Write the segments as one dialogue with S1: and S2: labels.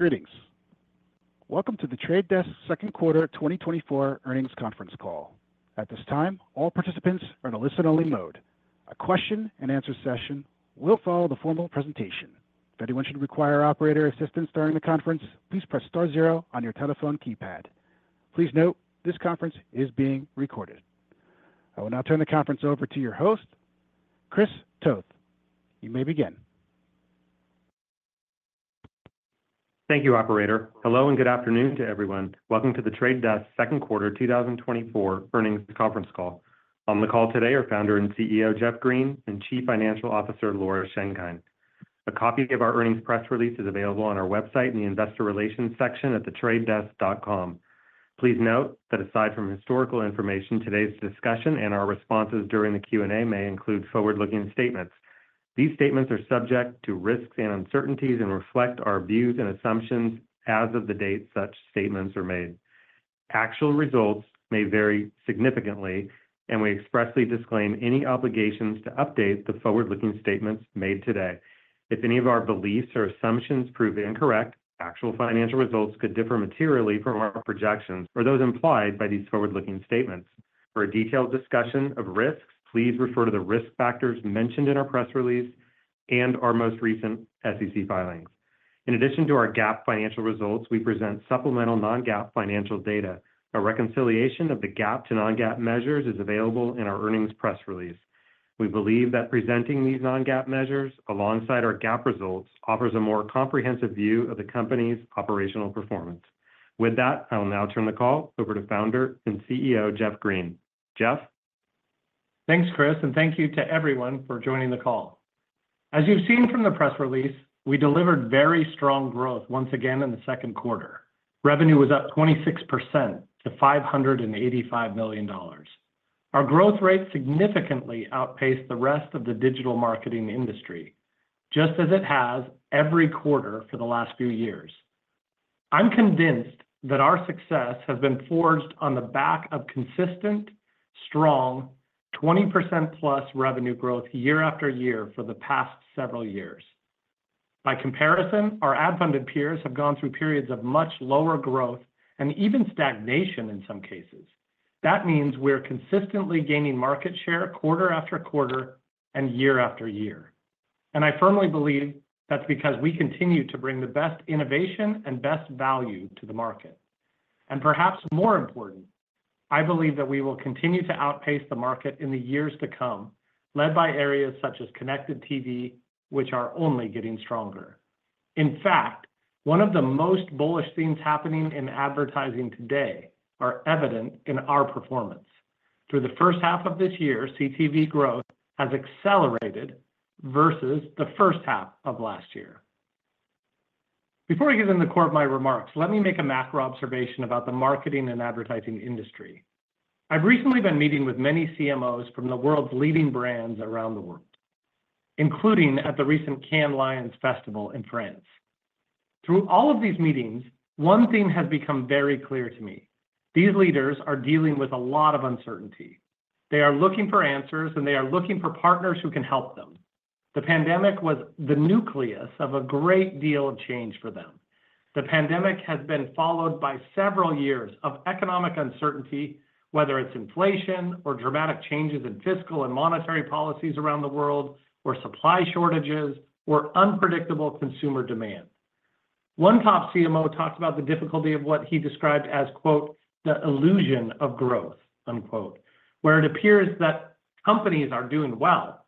S1: Greetings! Welcome to The Trade Desk second quarter 2024 earnings conference call. At this time, all participants are in a listen-only mode. A question-and-answer session will follow the formal presentation. If anyone should require operator assistance during the conference, please press star zero on your telephone keypad. Please note, this conference is being recorded. I will now turn the conference over to your host, Chris Toth. You may begin.
S2: Thank you, operator. Hello, and good afternoon to everyone. Welcome to The Trade Desk second quarter 2024 earnings conference call. On the call today are Founder and CEO, Jeff Green, and Chief Financial Officer, Laura Schenkein. A copy of our earnings press release is available on our website in the Investor Relations section at thetradedesk.com. Please note that aside from historical information, today's discussion and our responses during the Q&A may include forward-looking statements. These statements are subject to risks and uncertainties and reflect our views and assumptions as of the date such statements are made. Actual results may vary significantly, and we expressly disclaim any obligations to update the forward-looking statements made today. If any of our beliefs or assumptions prove incorrect, actual financial results could differ materially from our projections or those implied by these forward-looking statements. For a detailed discussion of risks, please refer to the risk factors mentioned in our press release and our most recent SEC filings. In addition to our GAAP financial results, we present supplemental non-GAAP financial data. A reconciliation of the GAAP to non-GAAP measures is available in our earnings press release. We believe that presenting these non-GAAP measures alongside our GAAP results offers a more comprehensive view of the company's operational performance. With that, I will now turn the call over to Founder and CEO, Jeff Green. Jeff?
S3: Thanks, Chris, and thank you to everyone for joining the call. As you've seen from the press release, we delivered very strong growth once again in the second quarter. Revenue was up 26% to $585 million. Our growth rate significantly outpaced the rest of the digital marketing industry, just as it has every quarter for the last few years. I'm convinced that our success has been forged on the back of consistent, strong, 20%+ revenue growth year after year for the past several years. By comparison, our ad-funded peers have gone through periods of much lower growth and even stagnation in some cases. That means we're consistently gaining market share quarter after quarter and year after year. I firmly believe that's because we continue to bring the best innovation and best value to the market. Perhaps more important, I believe that we will continue to outpace the market in the years to come, led by areas such as Connected TV, which are only getting stronger. In fact, one of the most bullish things happening in advertising today are evident in our performance. Through the first half of this year, CTV growth has accelerated versus the first half of last year. Before I get into the core of my remarks, let me make a macro observation about the marketing and advertising industry. I've recently been meeting with many CMOs from the world's leading brands around the world, including at the recent Cannes Lions Festival in France. Through all of these meetings, one thing has become very clear to me: these leaders are dealing with a lot of uncertainty. They are looking for answers, and they are looking for partners who can help them. The pandemic was the nucleus of a great deal of change for them. The pandemic has been followed by several years of economic uncertainty, whether it's inflation or dramatic changes in fiscal and monetary policies around the world, or supply shortages, or unpredictable consumer demand. One top CMO talked about the difficulty of what he described as, quote, "the illusion of growth," unquote, where it appears that companies are doing well.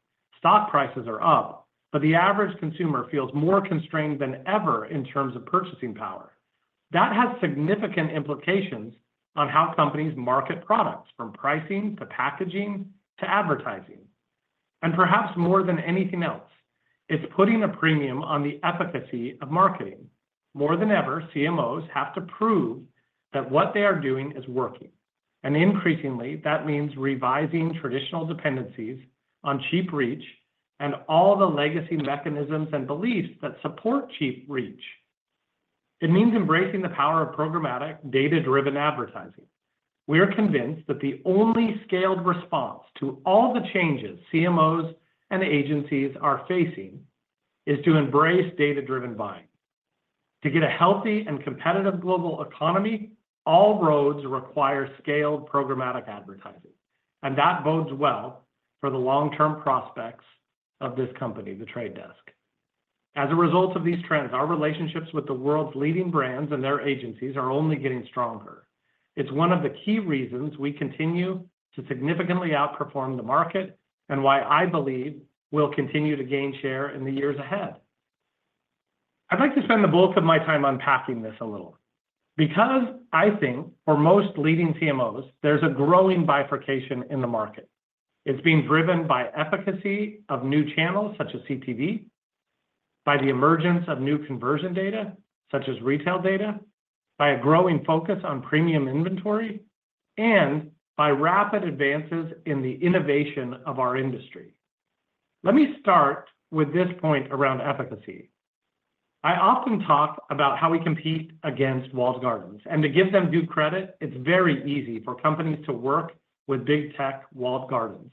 S3: Stock prices are up, but the average consumer feels more constrained than ever in terms of purchasing power. That has significant implications on how companies market products, from pricing to packaging to advertising. Perhaps more than anything else, it's putting a premium on the efficacy of marketing. More than ever, CMOs have to prove that what they are doing is working, and increasingly, that means revising traditional dependencies on cheap reach and all the legacy mechanisms and beliefs that support cheap reach. It means embracing the power of programmatic, data-driven advertising. We are convinced that the only scaled response to all the changes CMOs and agencies are facing is to embrace data-driven buying. To get a healthy and competitive global economy, all roads require scaled programmatic advertising, and that bodes well for the long-term prospects of this company, The Trade Desk. As a result of these trends, our relationships with the world's leading brands and their agencies are only getting stronger. It's one of the key reasons we continue to significantly outperform the market and why I believe we'll continue to gain share in the years ahead. I'd like to spend the bulk of my time unpacking this a little, because I think for most leading CMOs, there's a growing bifurcation in the market. It's being driven by efficacy of new channels, such as CTV, by the emergence of new conversion data, such as retail data, by a growing focus on premium inventory, and by rapid advances in the innovation of our industry. Let me start with this point around efficacy. I often talk about how we compete against walled gardens, and to give them due credit, it's very easy for companies to work with big tech walled gardens...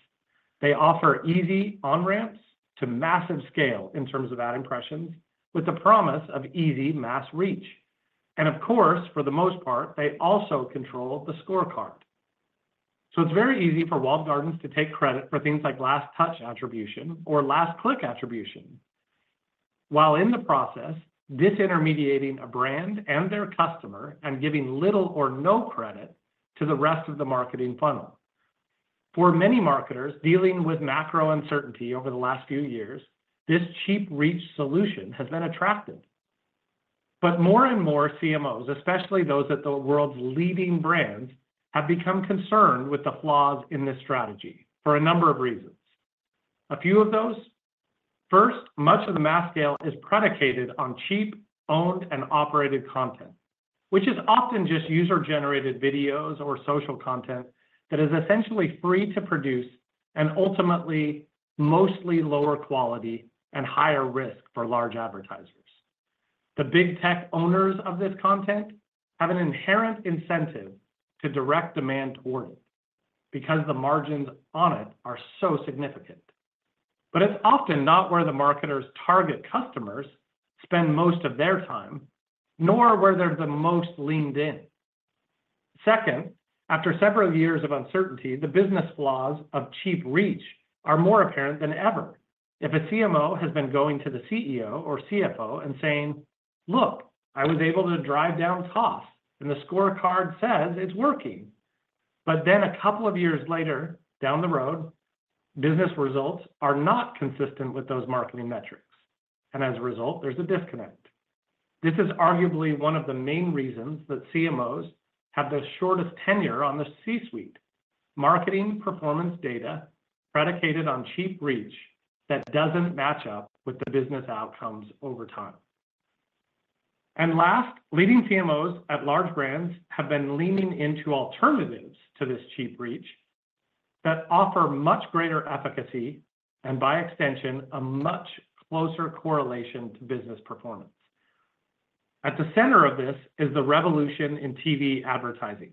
S3: They offer easy on-ramps to massive scale in terms of ad impressions, with the promise of easy mass reach. Of course, for the most part, they also control the scorecard. So it's very easy for walled gardens to take credit for things like last touch attribution or last click attribution, while in the process, disintermediating a brand and their customer and giving little or no credit to the rest of the marketing funnel. For many marketers, dealing with macro uncertainty over the last few years, this cheap reach solution has been attractive. But more and more CMOs, especially those at the world's leading brands, have become concerned with the flaws in this strategy for a number of reasons. A few of those: first, much of the mass scale is predicated on cheap, owned, and operated content, which is often just user-generated videos or social content that is essentially free to produce and ultimately, mostly lower quality and higher risk for large advertisers. The big tech owners of this content have an inherent incentive to direct demand toward it, because the margins on it are so significant. But it's often not where the marketers' target customers spend most of their time, nor where they're the most leaned in. Second, after several years of uncertainty, the business flaws of cheap reach are more apparent than ever. If a CMO has been going to the CEO or CFO and saying, "Look, I was able to drive down costs, and the scorecard says it's working." But then a couple of years later, down the road, business results are not consistent with those marketing metrics, and as a result, there's a disconnect. This is arguably one of the main reasons that CMOs have the shortest tenure on the C-suite: marketing performance data predicated on cheap reach that doesn't match up with the business outcomes over time. Last, leading CMOs at large brands have been leaning into alternatives to this cheap reach that offer much greater efficacy, and by extension, a much closer correlation to business performance. At the center of this is the revolution in TV advertising,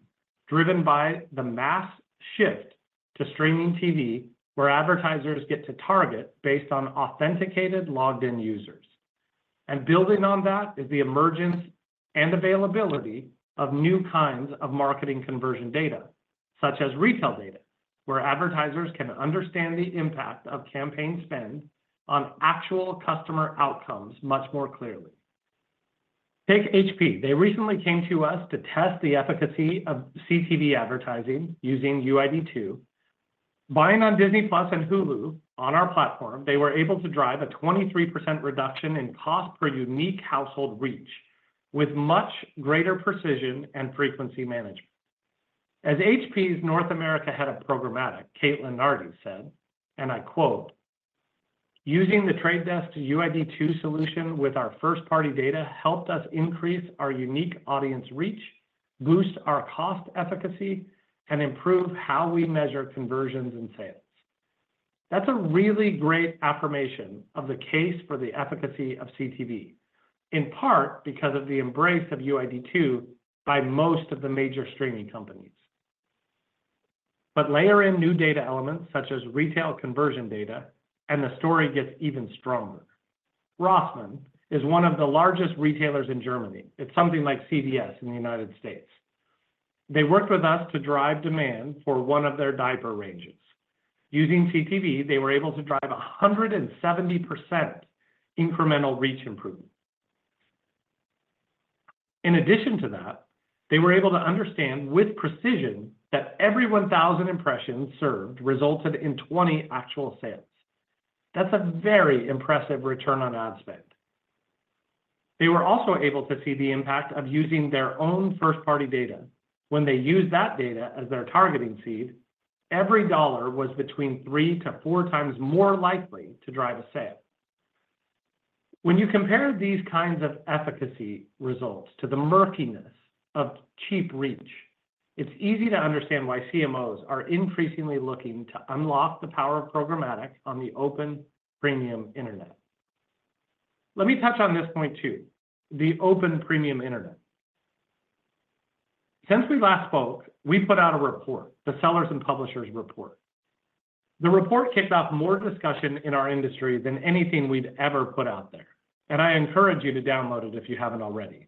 S3: driven by the mass shift to streaming TV, where advertisers get to target based on authenticated, logged-in users. Building on that is the emergence and availability of new kinds of marketing conversion data, such as retail data, where advertisers can understand the impact of campaign spend on actual customer outcomes much more clearly. Take HP. They recently came to us to test the efficacy of CTV advertising using UID2. Buying on Disney+ and Hulu on our platform, they were able to drive a 23% reduction in cost per unique household reach, with much greater precision and frequency management. As HP's North America Head of Programmatic, Caitlin Nardi, said, and I quote, "Using The Trade Desk's UID2 solution with our first-party data helped us increase our unique audience reach, boost our cost efficacy, and improve how we measure conversions and sales." That's a really great affirmation of the case for the efficacy of CTV, in part because of the embrace of UID2 by most of the major streaming companies. But layer in new data elements, such as retail conversion data, and the story gets even stronger. Rossmann is one of the largest retailers in Germany. It's something like CVS in the United States. They worked with us to drive demand for one of their diaper ranges. Using CTV, they were able to drive 170% incremental reach improvement. In addition to that, they were able to understand with precision that every 1,000 impressions served resulted in 20 actual sales. That's a very impressive return on ad spend. They were also able to see the impact of using their own first-party data. When they used that data as their targeting seed, every dollar was three to four times more likely to drive a sale. When you compare these kinds of efficacy results to the murkiness of cheap reach, it's easy to understand why CMOs are increasingly looking to unlock the power of programmatic on the open, premium internet. Let me touch on this point, too, the open, premium internet. Since we last spoke, we put out a report, the Sellers and Publishers Report. The report kicked off more discussion in our industry than anything we'd ever put out there, and I encourage you to download it if you haven't already.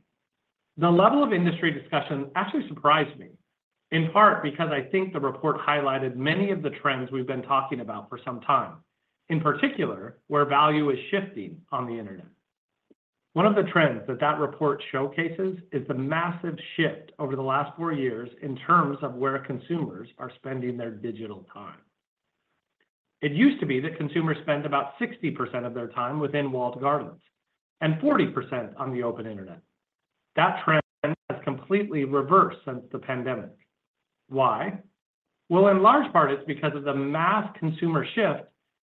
S3: The level of industry discussion actually surprised me, in part because I think the report highlighted many of the trends we've been talking about for some time, in particular, where value is shifting on the internet. One of the trends that that report showcases is the massive shift over the last four years in terms of where consumers are spending their digital time. It used to be that consumers spent about 60% of their time within walled gardens and 40% on the open internet. That trend has completely reversed since the pandemic. Why? Well, in large part, it's because of the mass consumer shift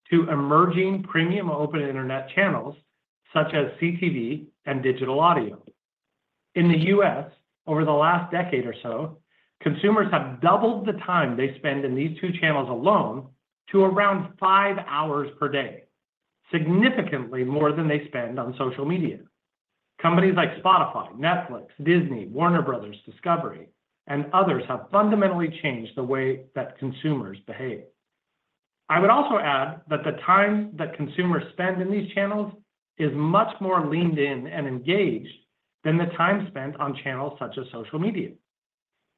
S3: to emerging premium open internet channels, such as CTV and digital audio. In the U.S., over the last decade or so, consumers have doubled the time they spend in these two channels alone to around five hours per day, significantly more than they spend on social media... Companies like Spotify, Netflix, Disney, Warner Bros. Discovery, and others have fundamentally changed the way that consumers behave. I would also add that the time that consumers spend in these channels is much more leaned in and engaged than the time spent on channels such as social media.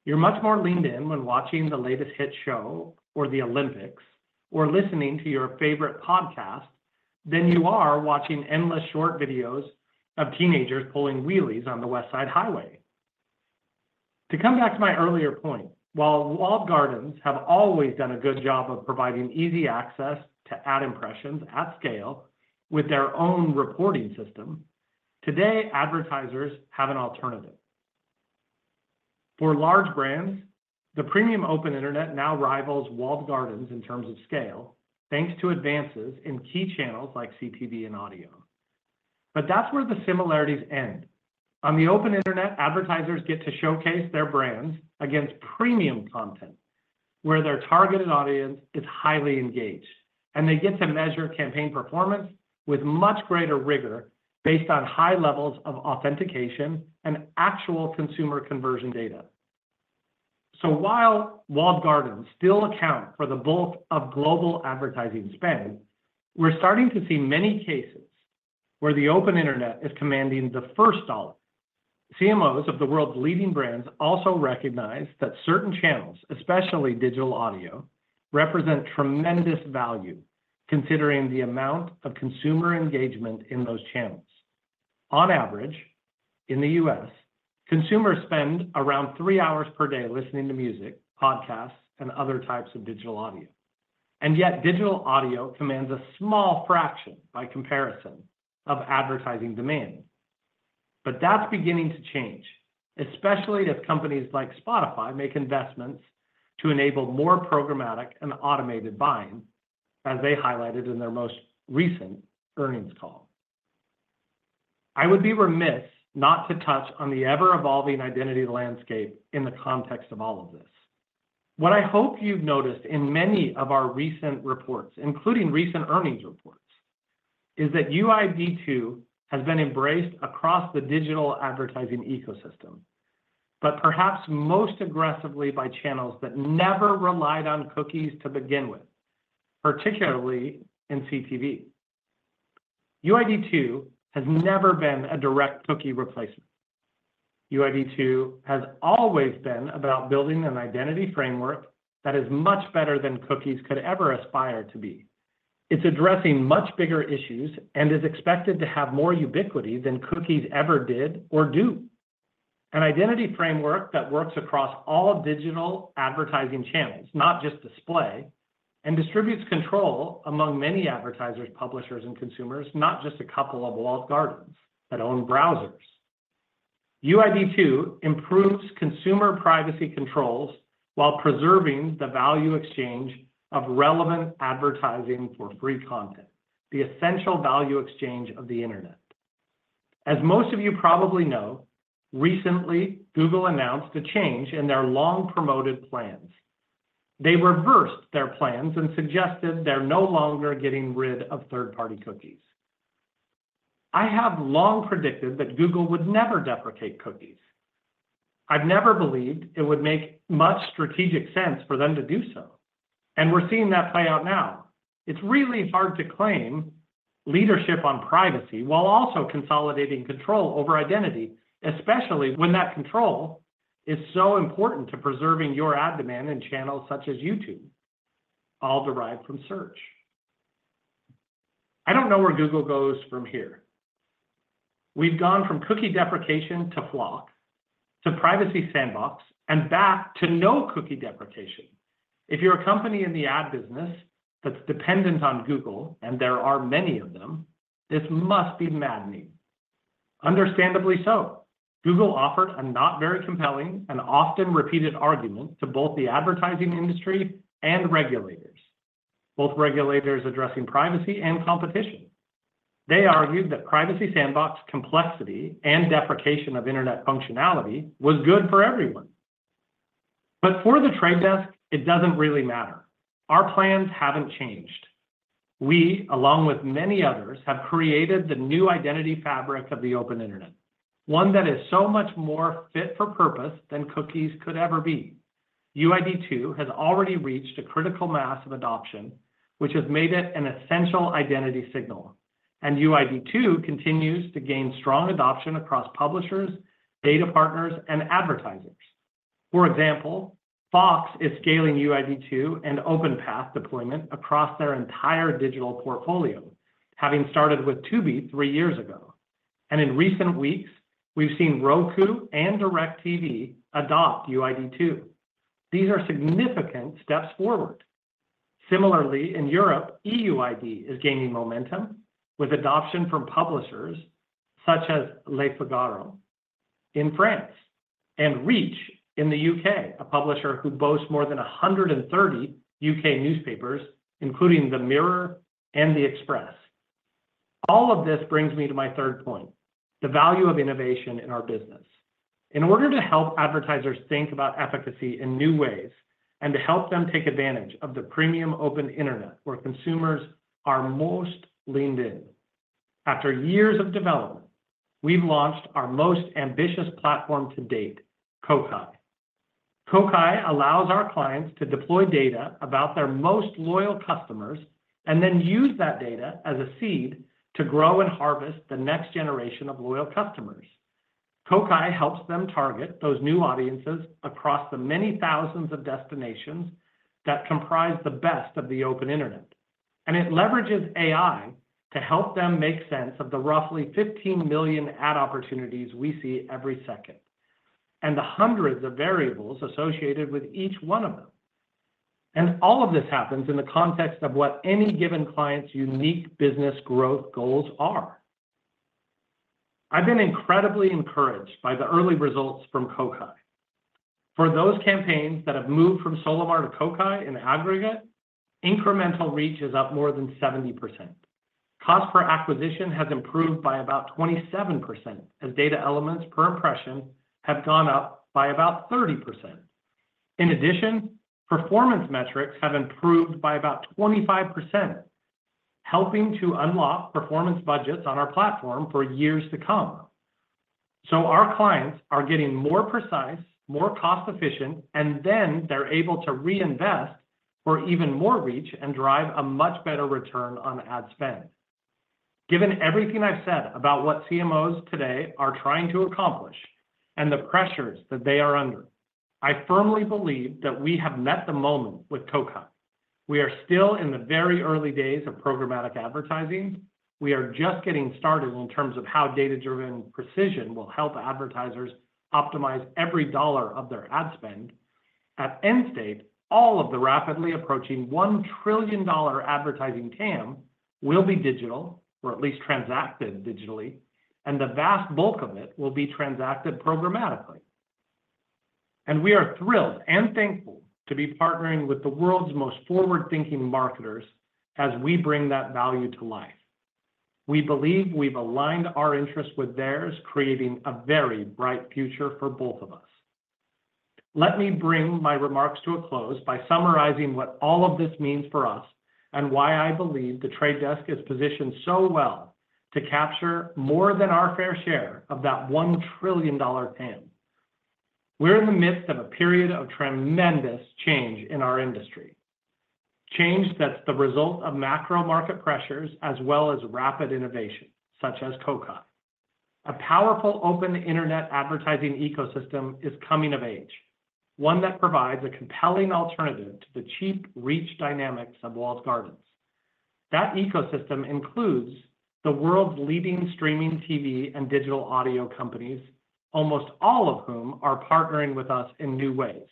S3: You're much more leaned in when watching the latest hit show or the Olympics, or listening to your favorite podcast, than you are watching endless short videos of teenagers pulling wheelies on the West Side Highway. To come back to my earlier point, while walled gardens have always done a good job of providing easy access to ad impressions at scale with their own reporting system, today, advertisers have an alternative. For large brands, the premium open internet now rivals walled gardens in terms of scale, thanks to advances in key channels like CTV and audio. But that's where the similarities end. On the open internet, advertisers get to showcase their brands against premium content, where their targeted audience is highly engaged, and they get to measure campaign performance with much greater rigor, based on high levels of authentication and actual consumer conversion data. So while walled gardens still account for the bulk of global advertising spend, we're starting to see many cases where the open internet is commanding the first dollar. CMOs of the world's leading brands also recognize that certain channels, especially digital audio, represent tremendous value, considering the amount of consumer engagement in those channels. On average, in the U.S., consumers spend around three hours per day listening to music, podcasts, and other types of digital audio. And yet digital audio commands a small fraction by comparison of advertising demand. But that's beginning to change, especially as companies like Spotify make investments to enable more programmatic and automated buying, as they highlighted in their most recent earnings call. I would be remiss not to touch on the ever-evolving identity landscape in the context of all of this. What I hope you've noticed in many of our recent reports, including recent earnings reports, is that UID2 has been embraced across the digital advertising ecosystem, but perhaps most aggressively by channels that never relied on cookies to begin with, particularly in CTV. UID2 has never been a direct cookie replacement. UID2 has always been about building an identity framework that is much better than cookies could ever aspire to be. It's addressing much bigger issues and is expected to have more ubiquity than cookies ever did or do. An identity framework that works across all digital advertising channels, not just display, and distributes control among many advertisers, publishers, and consumers, not just a couple of walled gardens that own browsers. UID2 improves consumer privacy controls while preserving the value exchange of relevant advertising for free content, the essential value exchange of the internet. As most of you probably know, recently, Google announced a change in their long-promoted plans. They reversed their plans and suggested they're no longer getting rid of third-party cookies. I have long predicted that Google would never deprecate cookies. I've never believed it would make much strategic sense for them to do so, and we're seeing that play out now. It's really hard to claim leadership on privacy while also consolidating control over identity, especially when that control is so important to preserving your ad demand in channels such as YouTube, all derived from search. I don't know where Google goes from here. We've gone from cookie deprecation to FLoC, to Privacy Sandbox, and back to no cookie deprecation. If you're a company in the ad business that's dependent on Google, and there are many of them, this must be maddening. Understandably so, Google offered a not very compelling and often repeated argument to both the advertising industry and regulators, both regulators addressing privacy and competition. They argued that Privacy Sandbox complexity and deprecation of internet functionality was good for everyone. But for The Trade Desk, it doesn't really matter. Our plans haven't changed. We, along with many others, have created the new identity fabric of the open internet, one that is so much more fit for purpose than cookies could ever be. UID2 has already reached a critical mass of adoption, which has made it an essential identity signal, and UID2 continues to gain strong adoption across publishers, data partners, and advertisers. For example, Fox is scaling UID2 and OpenPath deployment across their entire digital portfolio, having started with Tubi three years ago. In recent weeks, we've seen Roku and DIRECTV adopt UID2. These are significant steps forward. Similarly, in Europe, EUID is gaining momentum, with adoption from publishers such as Le Figaro in France and Reach in the U.K., a publisher who boasts more than 130 U.K. newspapers, including the Mirror and the Express. All of this brings me to my third point, the value of innovation in our business. In order to help advertisers think about efficacy in new ways and to help them take advantage of the premium open internet where consumers are most leaned in, after years of development, we've launched our most ambitious platform to date, Kokai. Kokai allows our clients to deploy data about their most loyal customers and then use that data as a seed to grow and harvest the next generation of loyal customers. Kokai helps them target those new audiences across the many thousands of destinations that comprise the best of the open internet, and it leverages AI to help them make sense of the roughly 15 million ad opportunities we see every second, and the hundreds of variables associated with each one of them. All of this happens in the context of what any given client's unique business growth goals are. I've been incredibly encouraged by the early results from Kokai. For those campaigns that have moved from Solimar to Kokai in aggregate, incremental reach is up more than 70%. Cost per acquisition has improved by about 27%, as data elements per impression have gone up by about 30%. In addition, performance metrics have improved by about 25%, helping to unlock performance budgets on our platform for years to come. So our clients are getting more precise, more cost-efficient, and then they're able to reinvest for even more reach and drive a much better return on ad spend. Given everything I've said about what CMOs today are trying to accomplish and the pressures that they are under, I firmly believe that we have met the moment with Kokai. We are still in the very early days of programmatic advertising. We are just getting started in terms of how data-driven precision will help advertisers optimize every dollar of their ad spend. At end state, all of the rapidly approaching $1 trillion advertising TAM will be digital, or at least transacted digitally, and the vast bulk of it will be transacted programmatically. We are thrilled and thankful to be partnering with the world's most forward-thinking marketers as we bring that value to life. We believe we've aligned our interests with theirs, creating a very bright future for both of us. Let me bring my remarks to a close by summarizing what all of this means for us, and why I believe The Trade Desk is positioned so well to capture more than our fair share of that $1 trillion TAM. We're in the midst of a period of tremendous change in our industry. Change that's the result of macro market pressures as well as rapid innovation, such as Kokai. A powerful open internet advertising ecosystem is coming of age, one that provides a compelling alternative to the cheap reach dynamics of walled gardens. That ecosystem includes the world's leading streaming TV and digital audio companies, almost all of whom are partnering with us in new ways.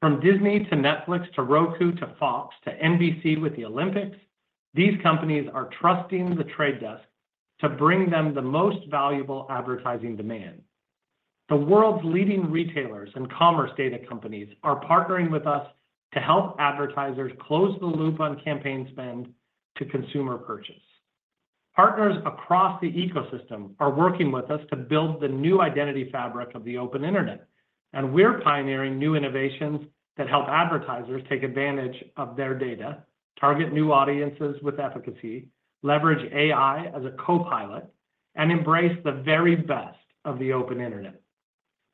S3: From Disney to Netflix, to Roku, to Fox, to NBC with the Olympics, these companies are trusting The Trade Desk to bring them the most valuable advertising demand. The world's leading retailers and commerce data companies are partnering with us to help advertisers close the loop on campaign spend to consumer purchase. Partners across the ecosystem are working with us to build the new identity fabric of the open internet, and we're pioneering new innovations that help advertisers take advantage of their data, target new audiences with efficacy, leverage AI as a co-pilot, and embrace the very best of the open internet.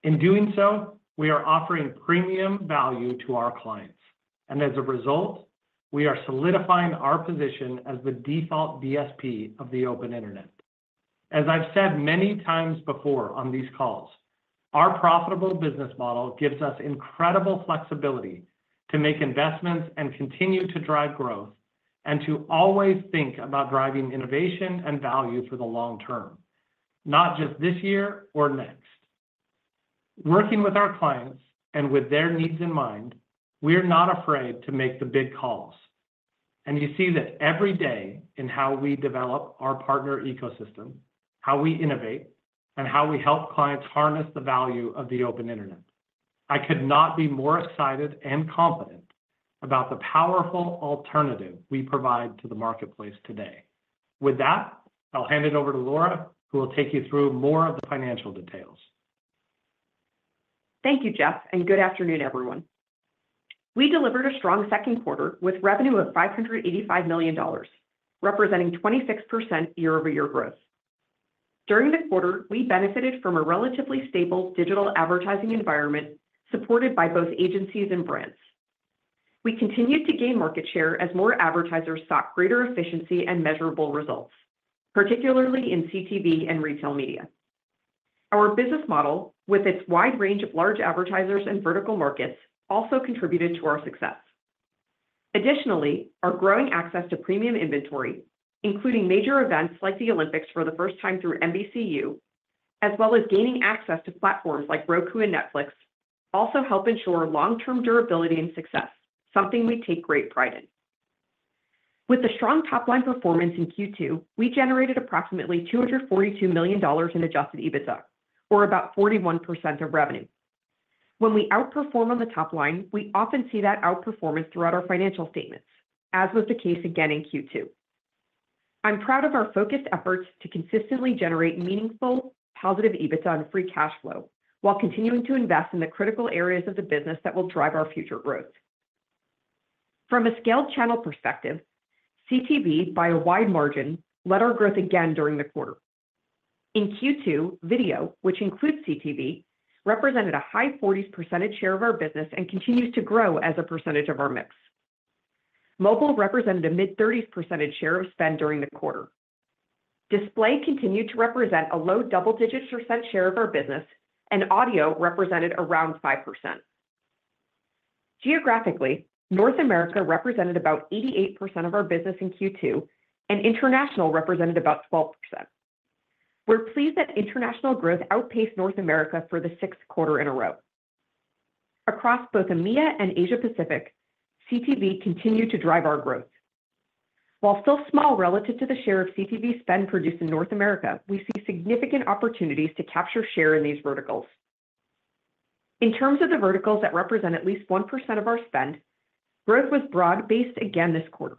S3: In doing so, we are offering premium value to our clients, and as a result, we are solidifying our position as the default DSP of the open internet. As I've said many times before on these calls, our profitable business model gives us incredible flexibility to make investments and continue to drive growth, and to always think about driving innovation and value for the long term, not just this year or next. Working with our clients and with their needs in mind, we are not afraid to make the big calls, and you see that every day in how we develop our partner ecosystem, how we innovate, and how we help clients harness the value of the open internet. I could not be more excited and confident about the powerful alternative we provide to the marketplace today. With that, I'll hand it over to Laura, who will take you through more of the financial details.
S4: Thank you, Jeff, and good afternoon, everyone. We delivered a strong second quarter with revenue of $585 million, representing 26% year-over-year growth. During the quarter, we benefited from a relatively stable digital advertising environment, supported by both agencies and brands. We continued to gain market share as more advertisers sought greater efficiency and measurable results, particularly in CTV and retail media. Our business model, with its wide range of large advertisers and vertical markets, also contributed to our success. Additionally, our growing access to premium inventory, including major events like the Olympics for the first time through NBCU, as well as gaining access to platforms like Roku and Netflix, also help ensure long-term durability and success, something we take great pride in. With the strong top-line performance in Q2, we generated approximately $242 million in Adjusted EBITDA, or about 41% of revenue. When we outperform on the top line, we often see that outperformance throughout our financial statements, as was the case again in Q2. I'm proud of our focused efforts to consistently generate meaningful, positive EBITDA and free cash flow, while continuing to invest in the critical areas of the business that will drive our future growth. From a scaled channel perspective, CTV, by a wide margin, led our growth again during the quarter. In Q2, video, which includes CTV, represented a high 40s percentage share of our business and continues to grow as a percentage of our mix. Mobile represented a mid-30s percentage share of spend during the quarter. Display continued to represent a low double-digit % share of our business, and audio represented around 5%. Geographically, North America represented about 88% of our business in Q2, and international represented about 12%. We're pleased that international growth outpaced North America for the sixth quarter in a row. Across both EMEA and Asia Pacific, CTV continued to drive our growth. While still small relative to the share of CTV spend produced in North America, we see significant opportunities to capture share in these verticals. In terms of the verticals that represent at least 1% of our spend, growth was broad-based again this quarter.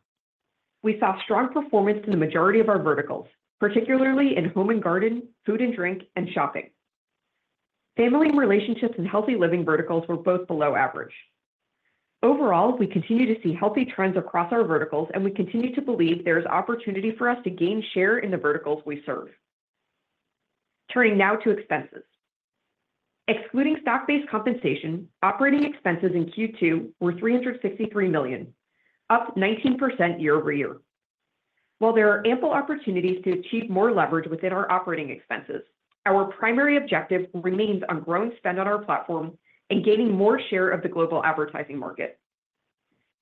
S4: We saw strong performance in the majority of our verticals, particularly in home and garden, food and drink, and shopping. Family and relationships and healthy living verticals were both below average. Overall, we continue to see healthy trends across our verticals, and we continue to believe there is opportunity for us to gain share in the verticals we serve. Turning now to expenses. Excluding stock-based compensation, operating expenses in Q2 were $363 million, up 19% year-over-year. While there are ample opportunities to achieve more leverage within our operating expenses, our primary objective remains on growing spend on our platform and gaining more share of the global advertising market.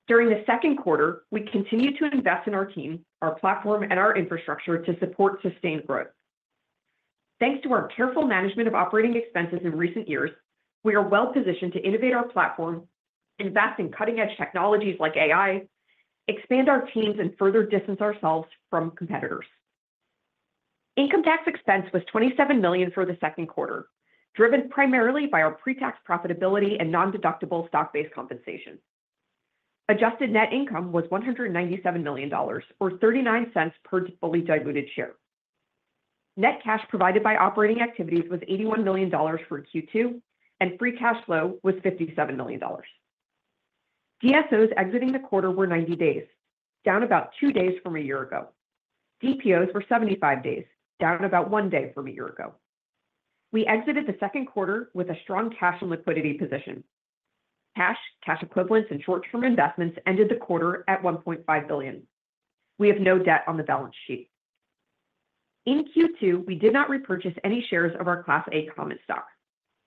S4: During the second quarter, we continued to invest in our team, our platform, and our infrastructure to support sustained growth. Thanks to our careful management of operating expenses in recent years, we are well positioned to innovate our platform, invest in cutting-edge technologies like AI, expand our teams, and further distance ourselves from competitors. Income tax expense was $27 million for the second quarter, driven primarily by our pre-tax profitability and non-deductible stock-based compensation. Adjusted net income was $197 million, or $0.39 per fully diluted share. Net cash provided by operating activities was $81 million for Q2, and free cash flow was $57 million. DSOs exiting the quarter were 90 days, down about 2 days from a year ago. DPOs were 75 days, down about 1 day from a year ago. We exited the second quarter with a strong cash and liquidity position. Cash, cash equivalents, and short-term investments ended the quarter at $1.5 billion. We have no debt on the balance sheet. In Q2, we did not repurchase any shares of our Class A common stock.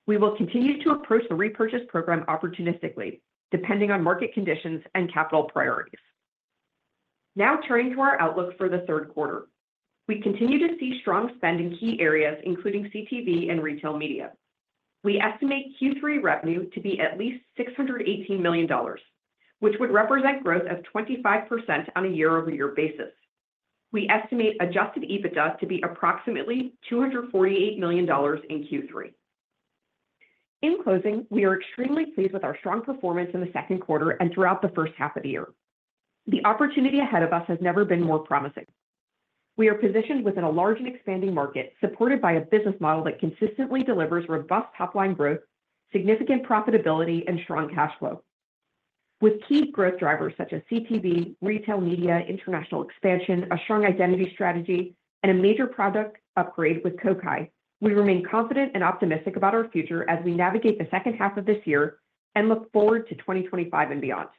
S4: We will continue to approach the repurchase program opportunistically, depending on market conditions and capital priorities. Now, turning to our outlook for the third quarter. We continue to see strong spend in key areas, including CTV and retail media. We estimate Q3 revenue to be at least $618 million, which would represent growth of 25% on a year-over-year basis. We estimate Adjusted EBITDA to be approximately $248 million in Q3. In closing, we are extremely pleased with our strong performance in the second quarter and throughout the first half of the year. The opportunity ahead of us has never been more promising. We are positioned within a large and expanding market, supported by a business model that consistently delivers robust top-line growth, significant profitability, and strong cash flow. With key growth drivers such as CTV, retail media, international expansion, a strong identity strategy, and a major product upgrade with Kokai, we remain confident and optimistic about our future as we navigate the second half of this year and look forward to 2025 and beyond.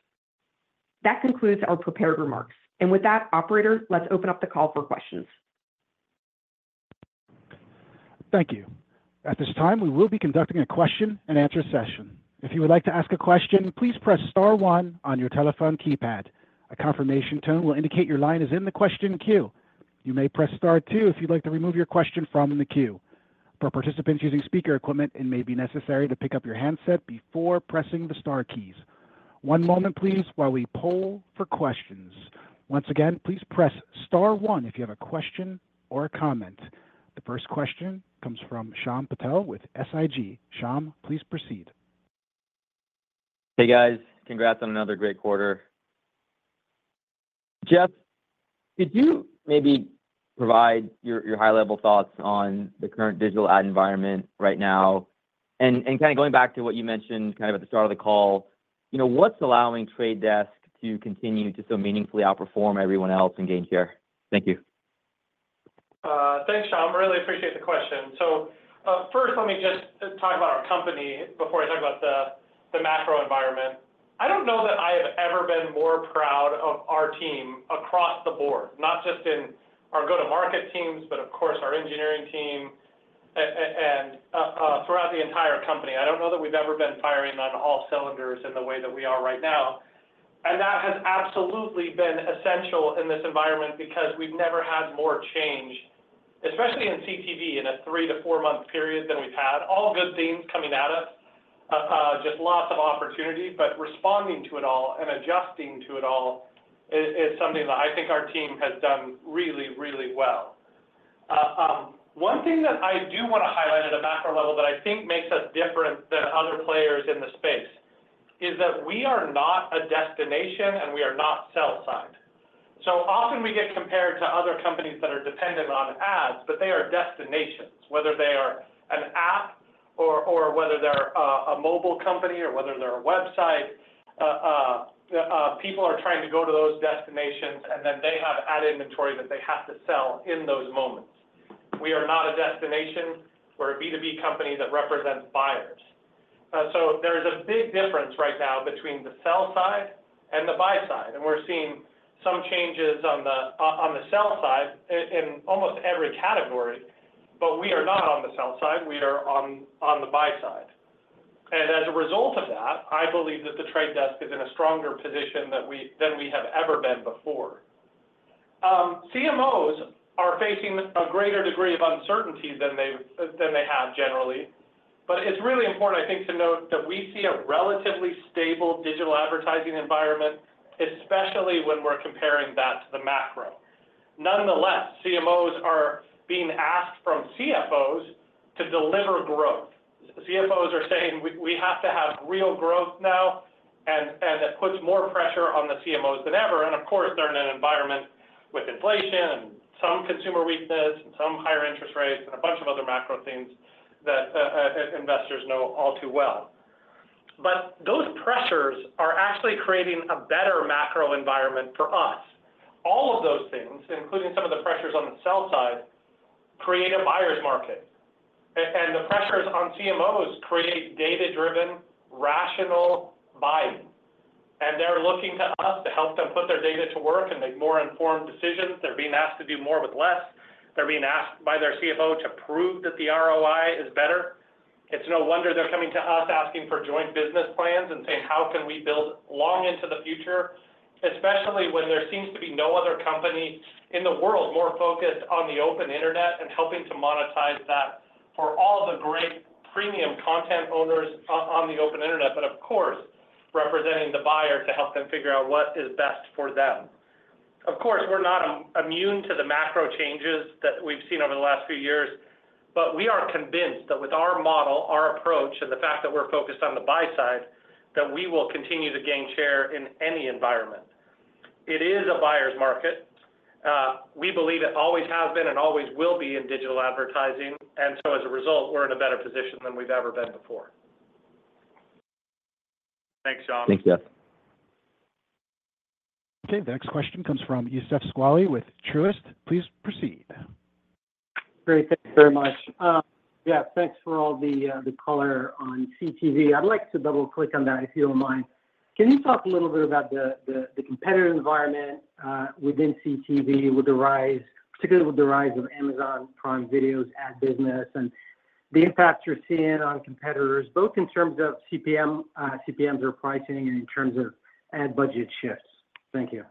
S4: That concludes our prepared remarks. And with that, operator, let's open up the call for questions.
S1: Thank you. At this time, we will be conducting a question-and-answer session. If you would like to ask a question, please press star one on your telephone keypad. A confirmation tone will indicate your line is in the question queue. You may press star two if you'd like to remove your question from the queue. For participants using speaker equipment, it may be necessary to pick up your handset before pressing the star keys. One moment please, while we poll for questions. Once again, please press star one if you have a question or a comment. The first question comes from Shyam Patil with SIG. Shyam, please proceed.
S5: Hey, guys. Congrats on another great quarter. Jeff, could you maybe provide your high-level thoughts on the current digital ad environment right now? And kind of going back to what you mentioned, kind of at the start of the call, you know, what's allowing Trade Desk to continue to so meaningfully outperform everyone else and gain share? Thank you.
S3: Thanks, Shyam. I really appreciate the question. So, first, let me just talk about our company before I talk about the macro environment. I don't know that I have ever been more proud of our team across the board, not just in our go-to-market teams, but of course, our engineering team, and throughout the entire company. I don't know that we've ever been firing on all cylinders in the way that we are right now, and that has absolutely been essential in this environment because we've never had more change, especially in CTV, in a three to four month period than we've had. All good things coming at us, just lots of opportunities, but responding to it all and adjusting to it all is something that I think our team has done really, really well.... One thing that I do want to highlight at a macro level that I think makes us different than other players in the space is that we are not a destination, and we are not sell side. So often we get compared to other companies that are dependent on ads, but they are destinations, whether they are an app or whether they're a mobile company or whether they're a website, people are trying to go to those destinations, and then they have ad inventory that they have to sell in those moments. We are not a destination. We're a B2B company that represents buyers. So there is a big difference right now between the sell side and the buy side, and we're seeing some changes on the sell side in almost every category. But we are not on the sell side, we are on the buy side. And as a result of that, I believe that The Trade Desk is in a stronger position than we have ever been before. CMOs are facing a greater degree of uncertainty than they have generally, but it's really important, I think, to note that we see a relatively stable digital advertising environment, especially when we're comparing that to the macro. Nonetheless, CMOs are being asked from CFOs to deliver growth. CFOs are saying, "We have to have real growth now," and it puts more pressure on the CMOs than ever, and of course, they're in an environment with inflation and some consumer weakness and some higher interest rates, and a bunch of other macro things that investors know all too well. But those pressures are actually creating a better macro environment for us. All of those things, including some of the pressures on the sell side, create a buyer's market. And the pressures on CMOs create data-driven, rational buying, and they're looking to us to help them put their data to work and make more informed decisions. They're being asked to do more with less. They're being asked by their CFO to prove that the ROI is better. It's no wonder they're coming to us asking for joint business plans and saying, "How can we build long into the future?" Especially when there seems to be no other company in the world more focused on the open internet and helping to monetize that for all the great premium content owners on the open internet, but of course, representing the buyer to help them figure out what is best for them. Of course, we're not immune to the macro changes that we've seen over the last few years, but we are convinced that with our model, our approach, and the fact that we're focused on the buy side, that we will continue to gain share in any environment. It is a buyer's market. We believe it always has been and always will be in digital advertising, and so as a result, we're in a better position than we've ever been before.
S5: Thanks, Shyam.
S2: Thanks, Jeff.
S1: Okay, the next question comes from Youssef Squali with Truist. Please proceed.
S6: Great. Thank you very much. Yeah, thanks for all the, the color on CTV. I'd like to double-click on that, if you don't mind. Can you talk a little bit about the competitive environment within CTV with the rise—particularly with the rise of Amazon Prime Video's ad business, and the impact you're seeing on competitors, both in terms of CPM, CPMs or pricing and in terms of ad budget shifts? Thank you.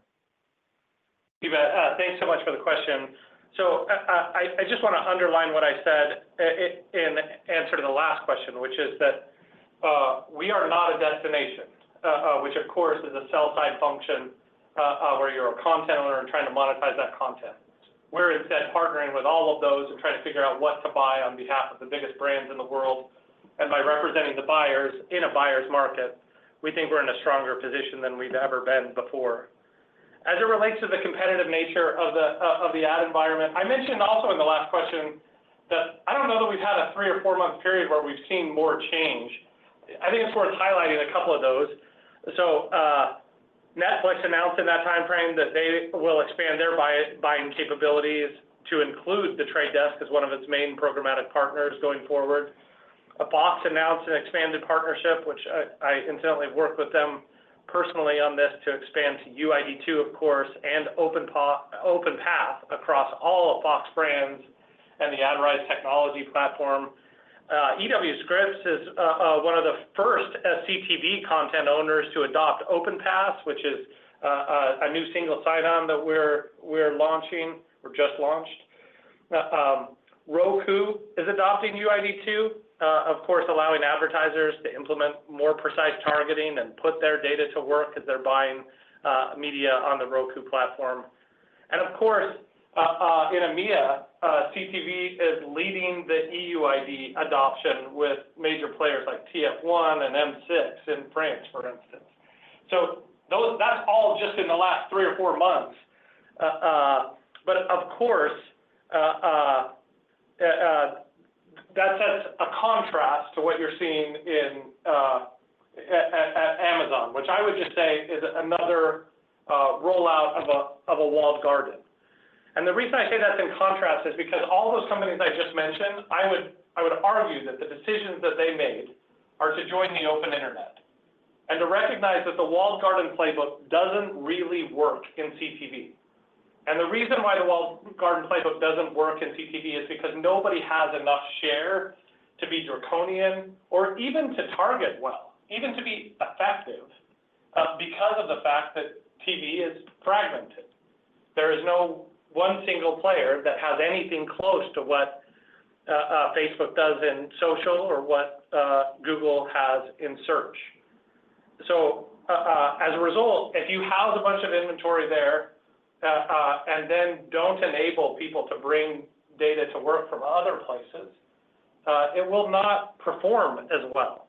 S3: Youssef, thanks so much for the question. So, I just want to underline what I said in answer to the last question, which is that, we are not a destination, which of course, is a sell side function, where you're a content owner and trying to monetize that content. We're instead partnering with all of those and trying to figure out what to buy on behalf of the biggest brands in the world, and by representing the buyers in a buyer's market, we think we're in a stronger position than we've ever been before. As it relates to the competitive nature of the ad environment, I mentioned also in the last question that I don't know that we've had a three- or four-month period where we've seen more change. I think it's worth highlighting a couple of those. So, Netflix announced in that time frame that they will expand their buying capabilities to include The Trade Desk as one of its main programmatic partners going forward. Fox announced an expanded partnership, which I incidentally worked with them personally on this, to expand to UID2, of course, and OpenPath across all of Fox brands and the AdRise technology platform. EW Scripps is one of the first CTV content owners to adopt OpenPath, which is a new single sign-on that we're launching or just launched. Roku is adopting UID2, of course, allowing advertisers to implement more precise targeting and put their data to work as they're buying media on the Roku platform. And of course, in EMEA, CTV is leading the EUID adoption with major players like TF1 and M6 in France, for instance. So those... That's all just in the last three or four months. But of course, that sets a contrast to what you're seeing at Amazon, which I would just say is another rollout of a walled garden. And the reason I say that's in contrast is because all those companies I just mentioned, I would, I would argue that the decisions that they made are to join the open internet, and to recognize that the walled garden playbook doesn't really work in CTV. The reason why the walled garden playbook doesn't work in CTV is because nobody has enough share to be draconian or even to target well, even to be effective, because of the fact that TV is fragmented. There is no one single player that has anything close to what Facebook does in social or what Google has in search. So, as a result, if you house a bunch of inventory there, and then don't enable people to bring data to work from other places, it will not perform as well.